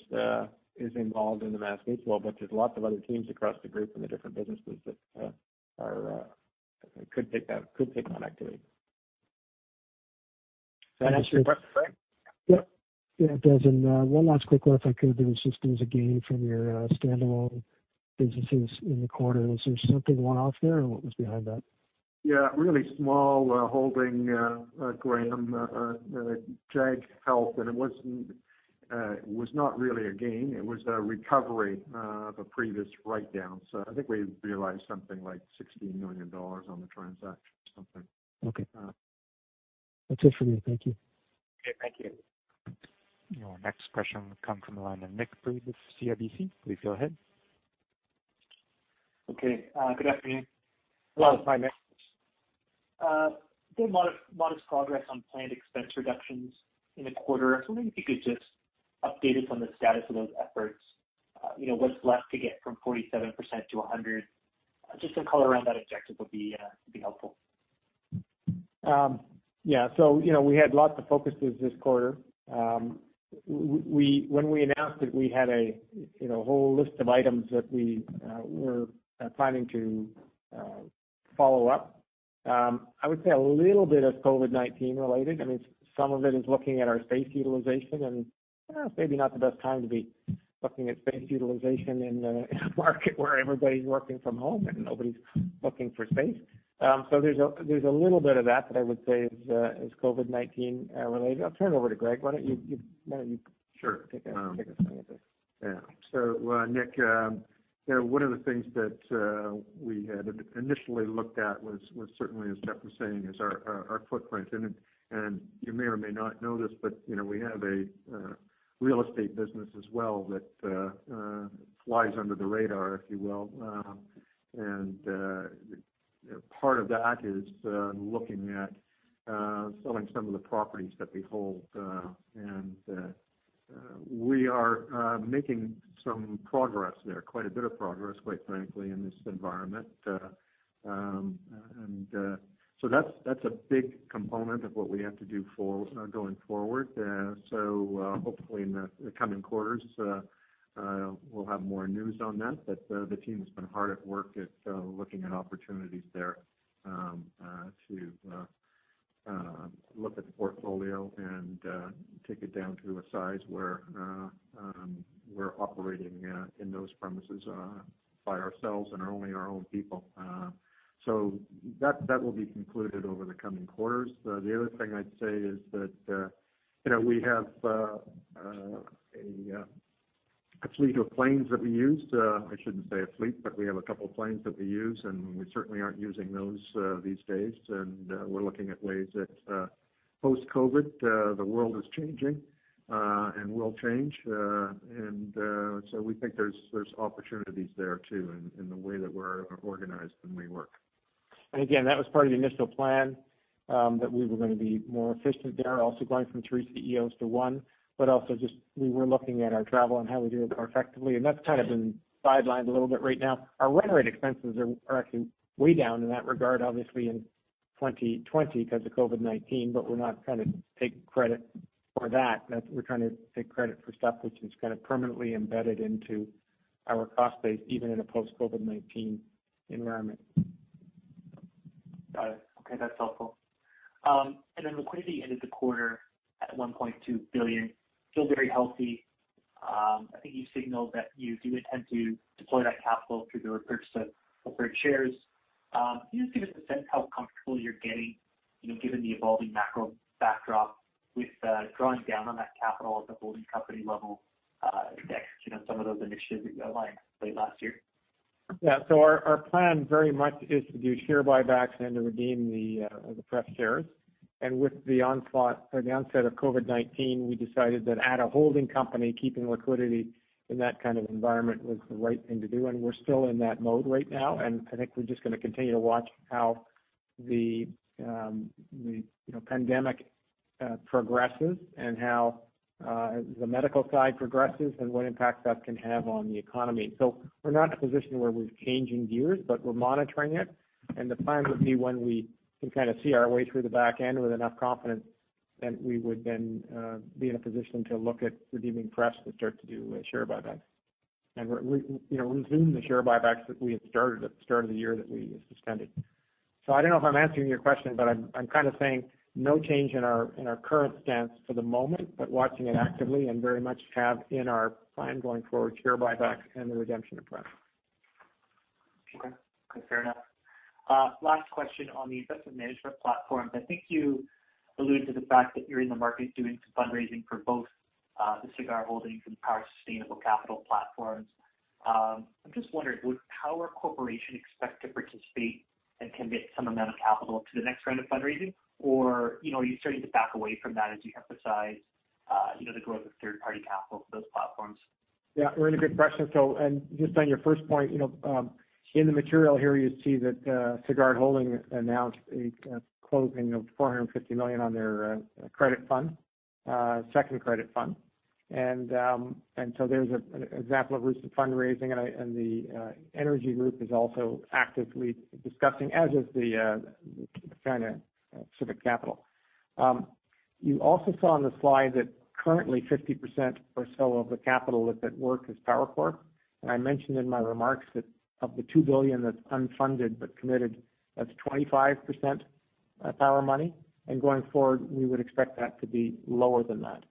is involved in the MassMutual, but there's lots of other teams across the group and the different businesses that could take on activity. Can I ask you a question, Greg? Yeah. Yeah, it does. And one last quick one, if I could. There was just, there was a gain from your standalone businesses in the quarter. Was there something went off there or what was behind that? Yeah. Really small holding, Graham, Jaguar Health. And it was not really a gain. It was a recovery of a previous write-down. So I think we realized something like $16 million on the transaction or something. Okay. That's it for me. Thank you. Okay. Thank you. Your next question will come from the line of Nick Stogdill with Credit Suisse. Please go ahead. Okay. Good afternoon. Hello. Hi, Nick. Good. Modest progress on planned expense reductions in the quarter. I was wondering if you could just update us on the status of those efforts. What's left to get from 47% to 100? Just some color around that objective would be helpful. Yeah. So we had lots of focuses this quarter. When we announced that we had a whole list of items that we were planning to follow up, I would say a little bit of COVID-19 related. I mean, some of it is looking at our space utilization, and it's maybe not the best time to be looking at space utilization in a market where everybody's working from home and nobody's looking for space. So there's a little bit of that that I would say is COVID-19 related. I'll turn it over to Greg. Why don't you take a swing at this? Sure. Yeah. So, Nick, one of the things that we had initially looked at was certainly, as Jeff was saying, our footprint. And you may or may not know this, but we have a real estate business as well that flies under the radar, if you will. And part of that is looking at selling some of the properties that we hold. And we are making some progress there, quite a bit of progress, quite frankly, in this environment. And so that's a big component of what we have to do going forward. So hopefully, in the coming quarters, we'll have more news on that. But the team has been hard at work at looking at opportunities there to look at the portfolio and take it down to a size where we're operating in those premises by ourselves and only our own people. That will be concluded over the coming quarters. The other thing I'd say is that we have a fleet of planes that we use. I shouldn't say a fleet, but we have a couple of planes that we use. And we certainly aren't using those these days. And we're looking at ways that post-COVID, the world is changing and will change. And so we think there's opportunities there too in the way that we're organized and we work. And again, that was part of the initial plan that we were going to be more efficient there, also going from three CEOs to one. But also just we were looking at our travel and how we do it more effectively. And that's kind of been sidelined a little bit right now. Our run rate expenses are actually way down in that regard, obviously, in 2020 because of COVID-19, but we're not trying to take credit for that. We're trying to take credit for stuff which is kind of permanently embedded into our cost base, even in a post-COVID-19 environment. Got it. Okay. That's helpful, and then liquidity ended the quarter at 1.2 billion. Still very healthy. I think you signaled that you do intend to deploy that capital through the repurchase of preferred shares. Can you just give us a sense of how comfortable you're getting, given the evolving macro backdrop, with drawing down on that capital at the holding company level next? Some of those initiatives that you outlined late last year. Yeah. So our plan very much is to do share buybacks and to redeem the preferred shares. And with the onset of COVID-19, we decided that at a holding company, keeping liquidity in that kind of environment was the right thing to do. And we're still in that mode right now. And I think we're just going to continue to watch how the pandemic progresses and how the medical side progresses and what impact that can have on the economy. So we're not in a position where we're changing gears, but we're monitoring it. And the plan would be, when we can kind of see our way through the back half with enough confidence, that we would then be in a position to look at redeeming prefs and start to do share buybacks and resume the share buybacks that we had started at the start of the year that we suspended. So I don't know if I'm answering your question, but I'm kind of saying no change in our current stance for the moment, but watching it actively and very much have in our plan going forward share buybacks and the redemption of prefs. Okay. Okay. Fair enough. Last question on the investment management platforms. I think you alluded to the fact that you're in the market doing some fundraising for both the Sagard Holdings and the Power Sustainable Capital platforms. I'm just wondering, would Power Corporation expect to participate and commit some amount of capital to the next round of fundraising, or are you starting to back away from that as you emphasize the growth of third-party capital for those platforms? Yeah. Really good question. And just on your first point, in the material here, you see that Sagard Holdings announced a closing of 450 million on their second credit fund. And so there's an example of recent fundraising, and the energy group is also actively discussing, as is the Power Pacific Capital. You also saw on the slide that currently 50% or so of the capital is at work as Power Corp. And I mentioned in my remarks that of the 2 billion that's unfunded but committed, that's 25% Power money. And going forward, we would expect that to be lower than that.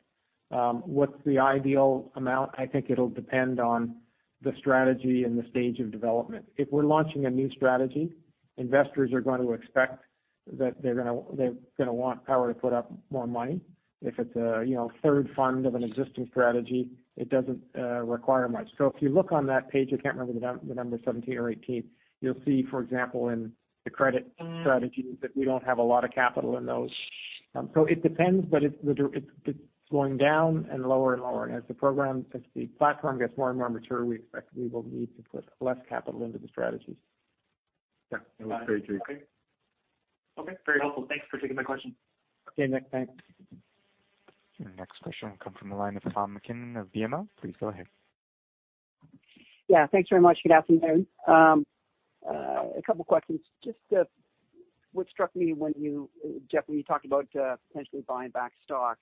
What's the ideal amount? I think it'll depend on the strategy and the stage of development. If we're launching a new strategy, investors are going to expect that they're going to want Power to put up more money. If it's a third fund of an existing strategy, it doesn't require much. So if you look on that page, I can't remember the number, 17 or 18, you'll see, for example, in the credit strategy that we don't have a lot of capital in those. So it depends, but it's going down and lower and lower. And as the platform gets more and more mature, we expect we will need to put less capital into the strategies. Yeah. That was great, Greg. Okay. Okay. Very helpful. Thanks for taking my question. Okay, Nick. Thanks. Your next question will come from the line of Tom MacKinnon of BMO. Please go ahead. Yeah. Thanks very much. Good afternoon. A couple of questions. Just what struck me when you, Jeff, when you talked about potentially buying back stock.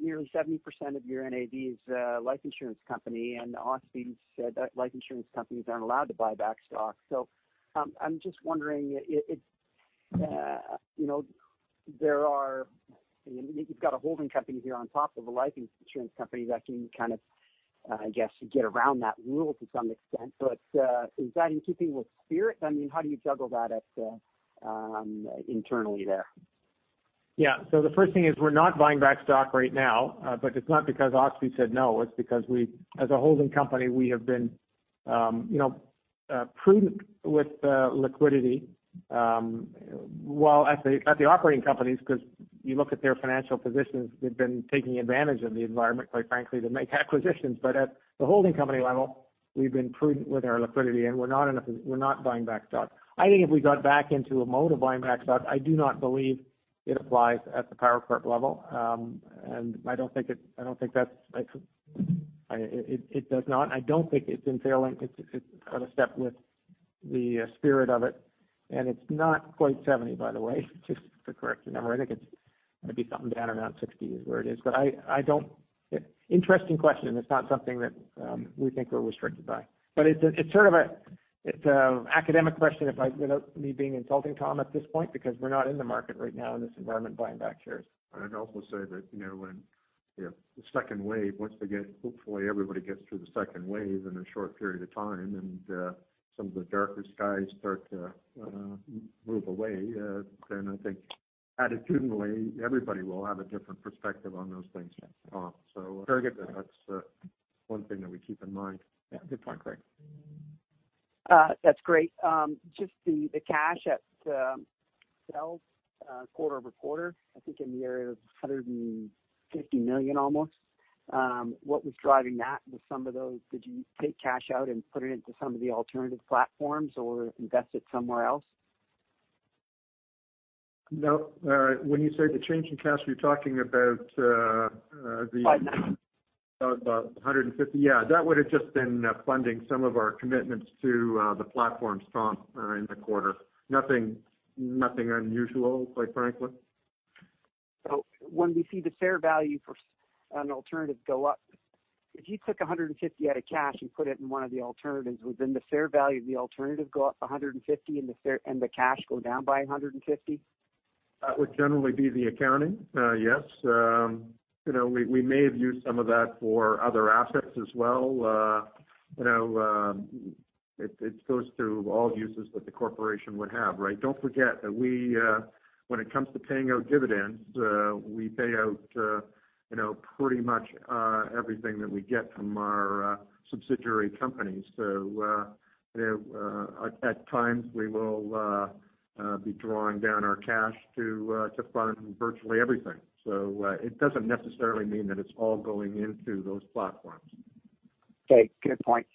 Nearly 70% of your NAV is life insurance company, and all these life insurance companies aren't allowed to buy back stock. So I'm just wondering, there, you've got a holding company here on top of a life insurance company that can kind of, I guess, get around that rule to some extent. But is that in keeping with spirit? I mean, how do you juggle that internally there? Yeah, the first thing is we're not buying back stock right now, but it's not because OSFI said no. It's because as a holding company, we have been prudent with liquidity. At the operating companies, because you look at their financial positions, they've been taking advantage of the environment, quite frankly, to make acquisitions. But at the holding company level, we've been prudent with our liquidity, and we're not buying back stock. I think if we got back into a mode of buying back stock, I do not believe it applies at the Power Corp level. And I don't think it does not. I don't think it's infringing. It's in step with the spirit of it. And it's not quite 70, by the way, just to correct your number. I think it's maybe something down around 60 is where it is. But I don't. Interesting question. It's not something that we think we're restricted by. But it's sort of an academic question without me being insulting, Tom, at this point, because we're not in the market right now in this environment buying back shares. I'd also say that when the second wave, once they get, hopefully, everybody gets through the second wave in a short period of time and some of the darker skies start to move away, then I think attitudinally, everybody will have a different perspective on those things. So. Very good. That's one thing that we keep in mind. Yeah. Good point, Greg. That's great. Just the cash itself quarter over quarter, I think in the area of 150 million almost. What was driving that? Was some of those, did you take cash out and put it into some of the alternative platforms or invest it somewhere else? No. When you say the change in cash, you're talking about the- 590. About 150. Yeah. That would have just been funding some of our commitments to the platforms, Tom, in the quarter. Nothing unusual, quite frankly. So when we see the fair value for an alternative go up, if you took 150 out of cash and put it in one of the alternatives, would then the fair value of the alternative go up 150 and the cash go down by 150? That would generally be the accounting. Yes. We may have used some of that for other assets as well. It goes through all uses that the corporation would have, right? Don't forget that when it comes to paying out dividends, we pay out pretty much everything that we get from our subsidiary companies. So at times, we will be drawing down our cash to fund virtually everything. So it doesn't necessarily mean that it's all going into those platforms. Okay. Good point.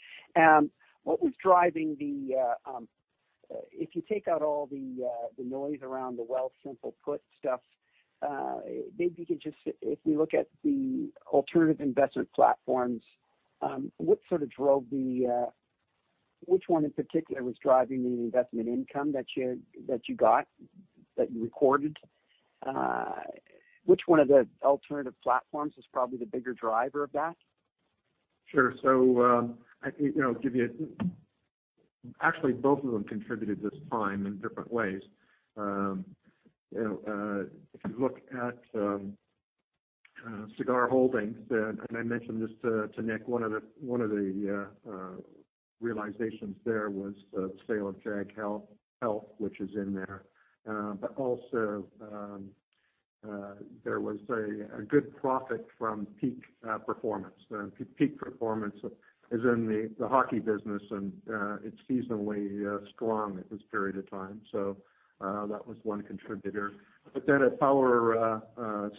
What was driving the, if you take out all the noise around the Wealthsimple put stuff, maybe you could just, if we look at the alternative investment platforms, what sort of drove the, which one in particular was driving the investment income that you got that you recorded? Which one of the alternative platforms was probably the bigger driver of that? Sure. So I'll give you, actually, both of them contributed this time in different ways. If you look at Sagard Holdings, and I mentioned this to Nick, one of the realizations there was the sale of Jaguar Health, which is in there. But also, there was a good profit from Peak. Peak is in the hockey business, and it's seasonally strong at this period of time. So that was one contributor. But then at Power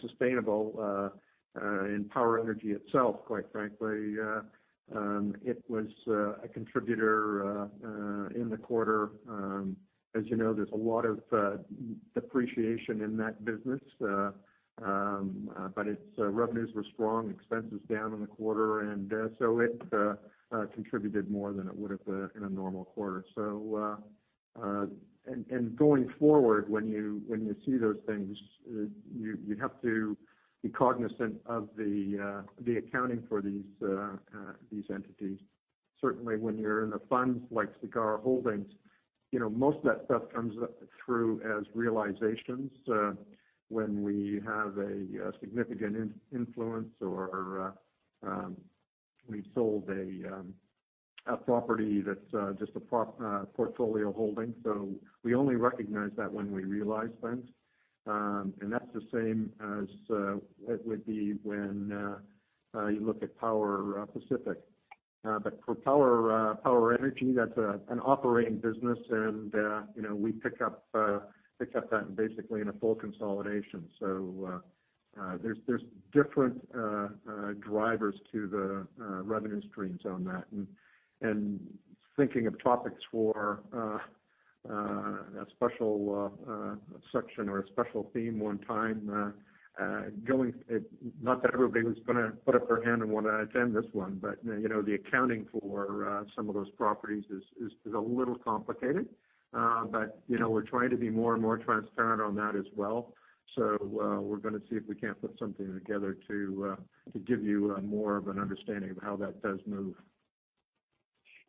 Sustainable and Power Energy itself, quite frankly, it was a contributor in the quarter. As you know, there's a lot of depreciation in that business, but its revenues were strong, expenses down in the quarter. And so it contributed more than it would have in a normal quarter. And going forward, when you see those things, you have to be cognizant of the accounting for these entities. Certainly, when you're in the funds like Sagard Holdings, most of that stuff comes through as realizations when we have a significant influence or we've sold a property that's just a portfolio holding. So we only recognize that when we realize things. And that's the same as it would be when you look at Power Pacific. But for Power Energy, that's an operating business, and we pick up that basically in a full consolidation. So there's different drivers to the revenue streams on that. And thinking of topics for a special section or a special theme one time, not that everybody was going to put up their hand and want to attend this one, but the accounting for some of those properties is a little complicated. But we're trying to be more and more transparent on that as well. So we're going to see if we can't put something together to give you more of an understanding of how that does move.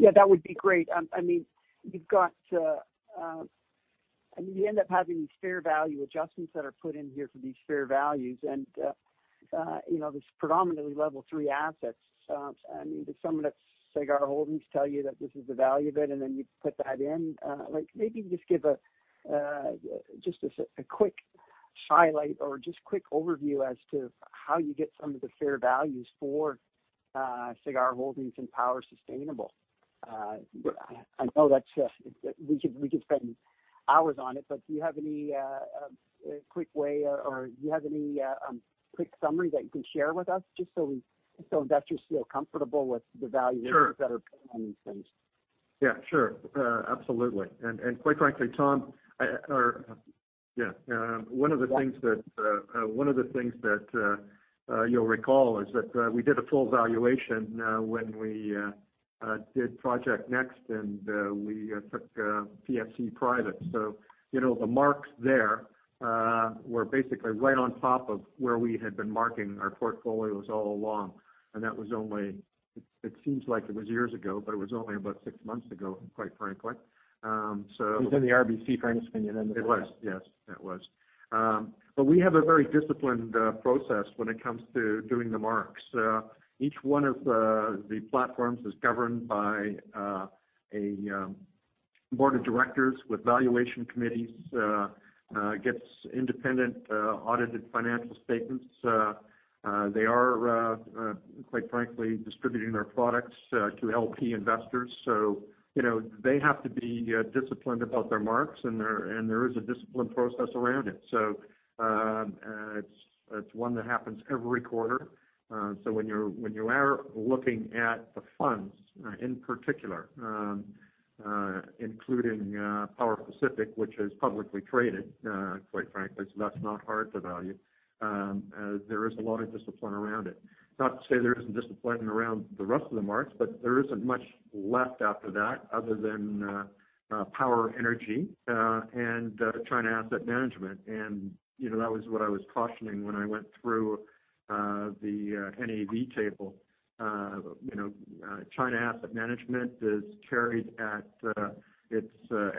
Yeah. That would be great. I mean, you've got, I mean, you end up having these fair value adjustments that are put in here for these fair values, and there's predominantly Level 3 assets. I mean, does someone at Sagard Holdings tell you that this is the value of it, and then you put that in? Maybe you just give just a quick highlight or just quick overview as to how you get some of the fair values for Sagard Holdings and Power Sustainable. I know that we could spend hours on it, but do you have any quick way or do you have any quick summary that you can share with us just so investors feel comfortable with the value that is better on these things? Sure. Yeah. Sure. Absolutely. And quite frankly, Tom, yeah, one of the things that, one of the things that you'll recall is that we did a full valuation when we did Project Next, and we took PFC private. So the marks there were basically right on top of where we had been marking our portfolios all along. And that was only, it seems like it was years ago, but it was only about six months ago, quite frankly. So. It was in the RBC, frankly speaking, then. It was. Yes. It was. But we have a very disciplined process when it comes to doing the marks. Each one of the platforms is governed by a board of directors with valuation committees and gets independent audited financial statements. They are, quite frankly, distributing their products to LP investors. So they have to be disciplined about their marks, and there is a disciplined process around it. So it's one that happens every quarter. So when you are looking at the funds in particular, including Power Pacific, which is publicly traded, quite frankly, so that's not hard to value, there is a lot of discipline around it. Not to say there isn't discipline around the rest of the marks, but there isn't much left after that other than Power Energy and China Asset Management, and that was what I was cautioning when I went through the NAV table. China Asset Management is carried at its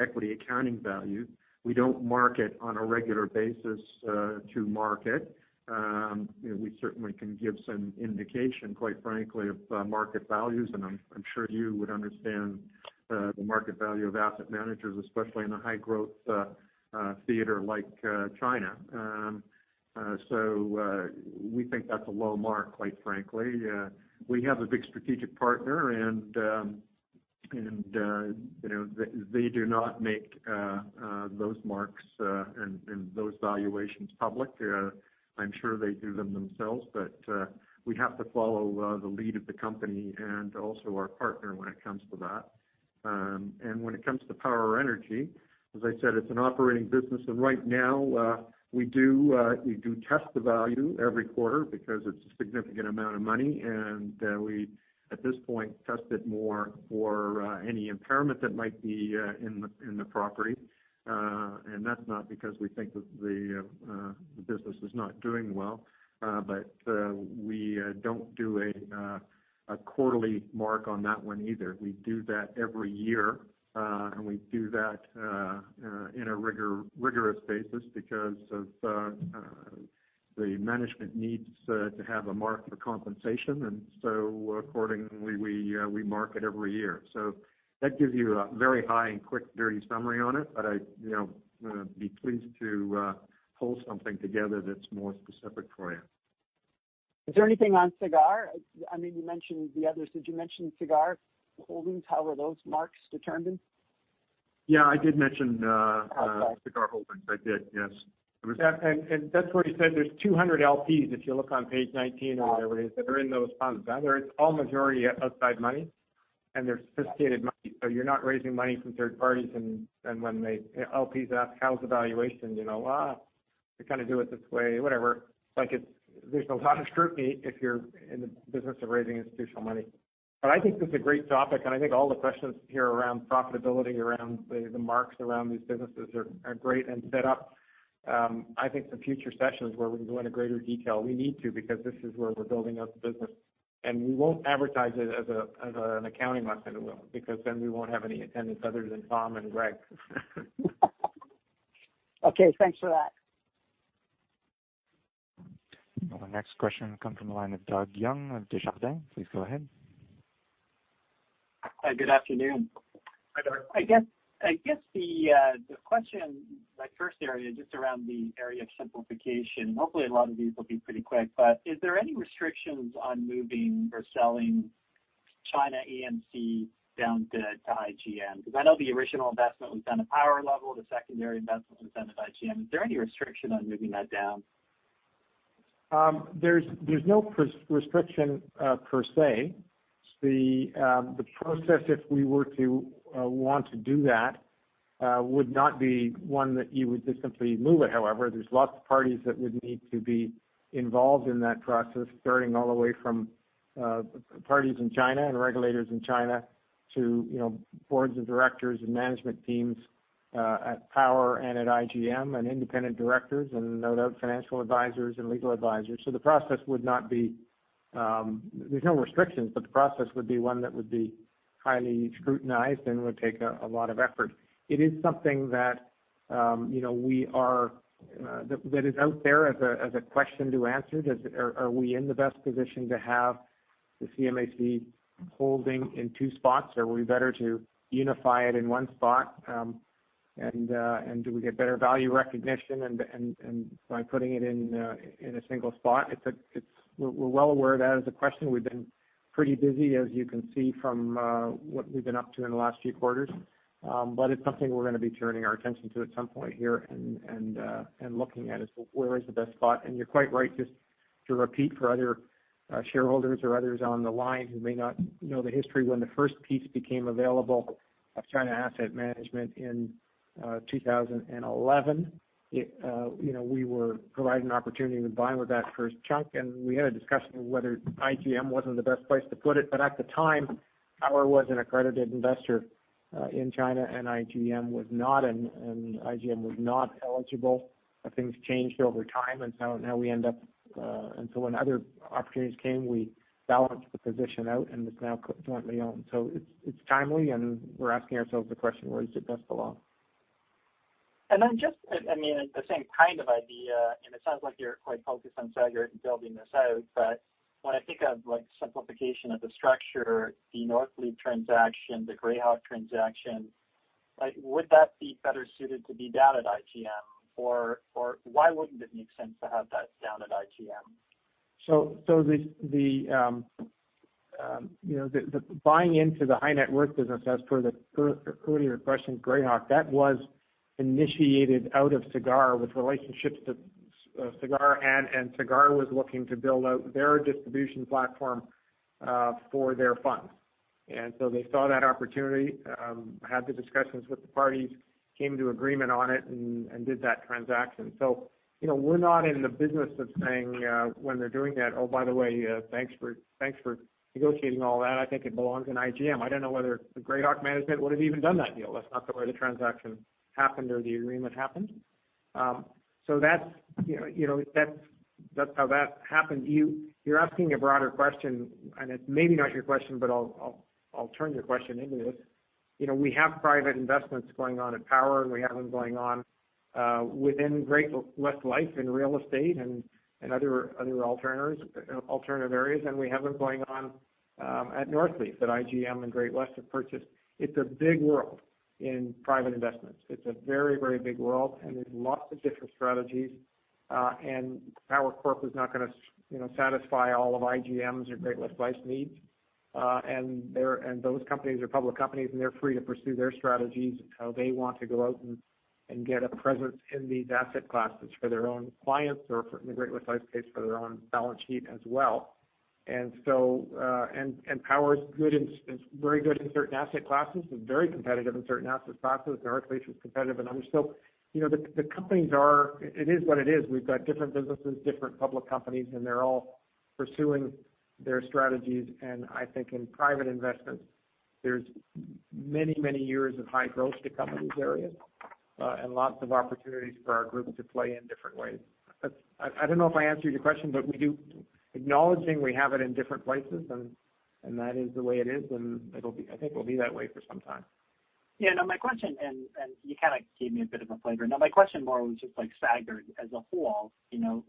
equity accounting value. We don't mark it on a regular basis to market. We certainly can give some indication, quite frankly, of market values, and I'm sure you would understand the market value of asset managers, especially in a high-growth theater like China. So we think that's a low mark, quite frankly. We have a big strategic partner, and they do not make those marks and those valuations public. I'm sure they do them themselves, but we have to follow the lead of the company and also our partner when it comes to that. And when it comes to Power Energy, as I said, it's an operating business. And right now, we do test the value every quarter because it's a significant amount of money. And we, at this point, test it more for any impairment that might be in the property. That's not because we think that the business is not doing well, but we don't do a quarterly mark on that one either. We do that every year, and we do that in a rigorous basis because of the management needs to have a mark for compensation. So accordingly, we mark it every year. That gives you a very high and quick, dirty summary on it, but I'd be pleased to pull something together that's more specific for you. Is there anything on Sagard? I mean, you mentioned the others. Did you mention Sagard Holdings? How were those marks determined? Yeah. I did mention Sagard Holdings. I did. Yes. And that's where you said there's 200 LPs, if you look on page 19 or whatever it is, that are in those funds. Now, there's all majority outside money, and they're sophisticated money. So you're not raising money from third parties. And when the LPs ask, "How's the valuation?" you kind of do it this way, whatever. There's a lot of scrutiny if you're in the business of raising institutional money. But I think this is a great topic, and I think all the questions here around profitability, around the marks, around these businesses are great and set up. I think some future sessions where we can go into greater detail. We need to because this is where we're building out the business. And we won't advertise it as an accounting lesson, because then we won't have any attendance other than Tom and Greg. Okay. Thanks for that. Next question will come from the line of Doug Young of Desjardins. Please go ahead. Hi. Good afternoon. Hi, Doug. I guess the question, my first area, just around the area of simplification, and hopefully, a lot of these will be pretty quick, but is there any restrictions on moving or selling China AMC down to IGM? Because I know the original investment was done at Power level. The secondary investment was done at IGM. Is there any restriction on moving that down? There's no restriction per se. The process, if we were to want to do that, would not be one that you would just simply move it. However, there's lots of parties that would need to be involved in that process, starting all the way from parties in China and regulators in China to boards of directors and management teams at Power and at IGM and independent directors and no doubt financial advisors and legal advisors. So the process would not be. There's no restrictions, but the process would be one that would be highly scrutinized and would take a lot of effort. It is something that we are. That is out there as a question to answer. Are we in the best position to have the China AMC holding in two spots? Are we better to unify it in one spot? And do we get better value recognition by putting it in a single spot? We're well aware of that as a question. We've been pretty busy, as you can see from what we've been up to in the last few quarters. But it's something we're going to be turning our attention to at some point here and looking at is where is the best spot? And you're quite right just to repeat for other shareholders or others on the line who may not know the history. When the first piece became available of China Asset Management in 2011, we were provided an opportunity to buy with that first chunk. And we had a discussion of whether IGM wasn't the best place to put it. But at the time, Power was an accredited investor in China, and IGM was not. And IGM was not eligible. Things changed over time. And so now we end up, and so when other opportunities came, we balanced the position out and was now jointly owned. So it's timely, and we're asking ourselves the question, where does it best belong? I mean, it's the same kind of idea. It sounds like you're quite focused on Sagard and building this out. When I think of simplification of the structure, the Northleaf transaction, the Grayhawk transaction, would that be better suited to be down at IGM? Or why wouldn't it make sense to have that down at IGM? So the buying into the high-net-worth business, as per the earlier question, Grayhawk, that was initiated out of Sagard with relationships to Sagard, and Sagard was looking to build out their distribution platform for their funds. And so they saw that opportunity, had the discussions with the parties, came to agreement on it, and did that transaction. So we're not in the business of saying when they're doing that, "Oh, by the way, thanks for negotiating all that. I think it belongs in IGM." I don't know whether the Grayhawk management would have even done that deal. That's not the way the transaction happened or the agreement happened. So that's how that happened. You're asking a broader question, and it's maybe not your question, but I'll turn your question into this. We have private investments going on at Power, and we have them going on within Great-West Life and real estate and other alternative areas, and we have them going on at Northleaf that IGM and Great-West have purchased. It's a big world in private investments. It's a very, very big world, and there's lots of different strategies. And Power Corp is not going to satisfy all of IGM's or Great-West Life's needs. And those companies are public companies, and they're free to pursue their strategies how they want to go out and get a presence in these asset classes for their own clients or, in the Great-West Life case, for their own balance sheet as well. And Power's very good in certain asset classes, very competitive in certain asset classes. Northleaf is competitive in others. So the companies are. It is what it is. We've got different businesses, different public companies, and they're all pursuing their strategies. And I think in private investments, there's many, many years of high growth to come in these areas and lots of opportunities for our group to play in different ways. I don't know if I answered your question, but acknowledging we have it in different places, and that is the way it is. And I think we'll be that way for some time. Yeah. Now, my question, and you kind of gave me a bit of a flavor, now, my question more was just like Sagard as a whole.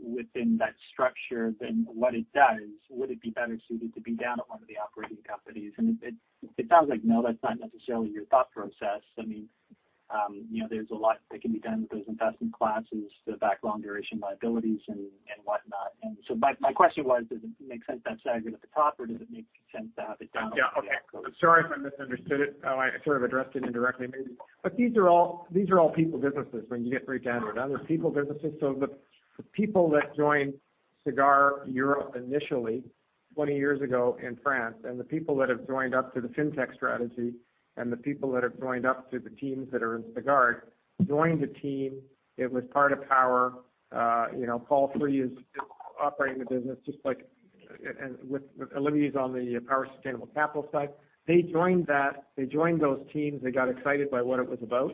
Within that structure, then what it does, would it be better suited to be down at one of the operating companies? And it sounds like, no, that's not necessarily your thought process. I mean, there's a lot that can be done with those investment classes to back long-duration liabilities and whatnot. And so my question was, does it make sense to have Sagard at the top, or does it make sense to have it down at the back? Yeah. Okay. Sorry if I misunderstood it. I sort of addressed it indirectly, maybe. But these are all people businesses when you get right down. They're people businesses. So the people that joined Sagard Europe initially 20 years ago in France and the people that have joined up to the FinTech strategy and the people that have joined up to the teams that are in Sagard joined a team. It was part of Power. The people are operating the business just like Olivier is on the Power Sustainable Capital side. They joined that. They joined those teams. They got excited by what it was about.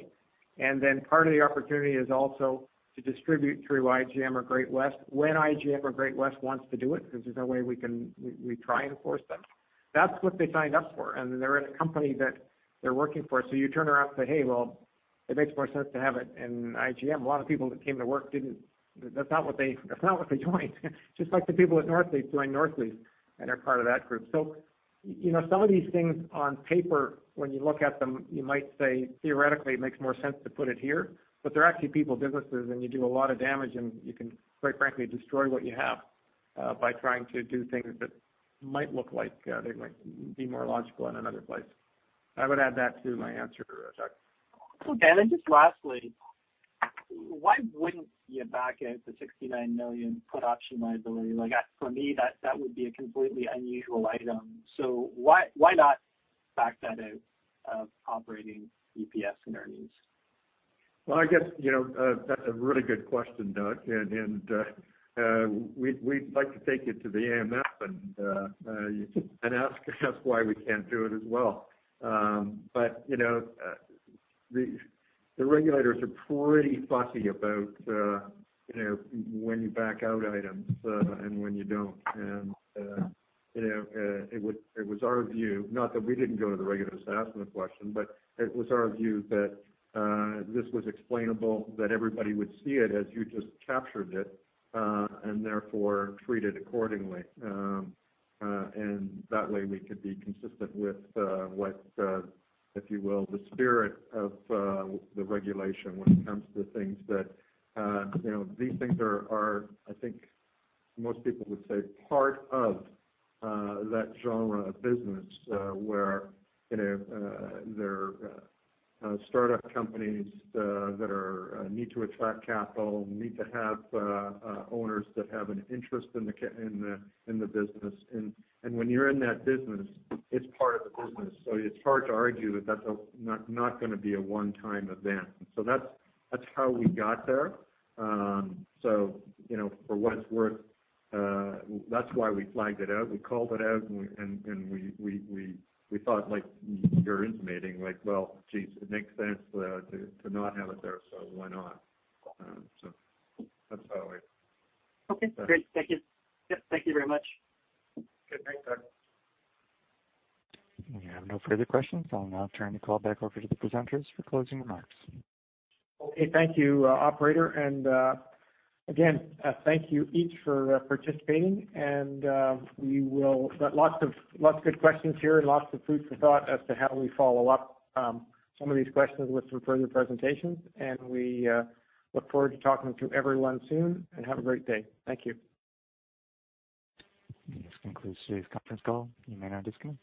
And then part of the opportunity is also to distribute through IGM or Great-West when IGM or Great-West wants to do it because there's no way we can try to force them. That's what they signed up for. They're at a company that they're working for. So you turn around and say, "Hey, well, it makes more sense to have it in IGM." A lot of people that came to work didn't. That's not what they joined. Just like the people at Northleaf joined Northleaf and are part of that group. So some of these things on paper, when you look at them, you might say, theoretically, it makes more sense to put it here. But they're actually people businesses, and you do a lot of damage, and you can, quite frankly, destroy what you have by trying to do things that might look like they might be more logical in another place. I would add that to my answer, Doug. Okay. And then just lastly, why wouldn't you back out the 69 million put option liability? For me, that would be a completely unusual item. So why not back that out of operating EPS and earnings? I guess that's a really good question, Doug. And we'd like to take it to the AMF and ask why we can't do it as well. But the regulators are pretty fussy about when you back out items and when you don't. And it was our view, not that we didn't go to the regulators to ask them the question, but it was our view that this was explainable, that everybody would see it as you just captured it and therefore treat it accordingly. And that way, we could be consistent with what, if you will, the spirit of the regulation when it comes to things that these things are, I think most people would say, part of that genre of business where they're startup companies that need to attract capital, need to have owners that have an interest in the business. When you're in that business, it's part of the business. It's hard to argue that that's not going to be a one-time event. That's how we got there. For what it's worth, that's why we flagged it out. We called it out, and we thought, "You're intimating." Like, "Well, geez, it makes sense to not have it there, so why not?" That's how it went. Okay. Great. Thank you. Yep. Thank you very much. Okay. Thanks, Doug. We have no further questions. I'll now turn the call back over to the presenters for closing remarks. Okay. Thank you, Operator. And again, thank you each for participating. And we will get lots of good questions here and lots of food for thought as to how we follow up some of these questions with some further presentations. And we look forward to talking to everyone soon and have a great day. Thank you. This concludes today's conference call. You may now disconnect.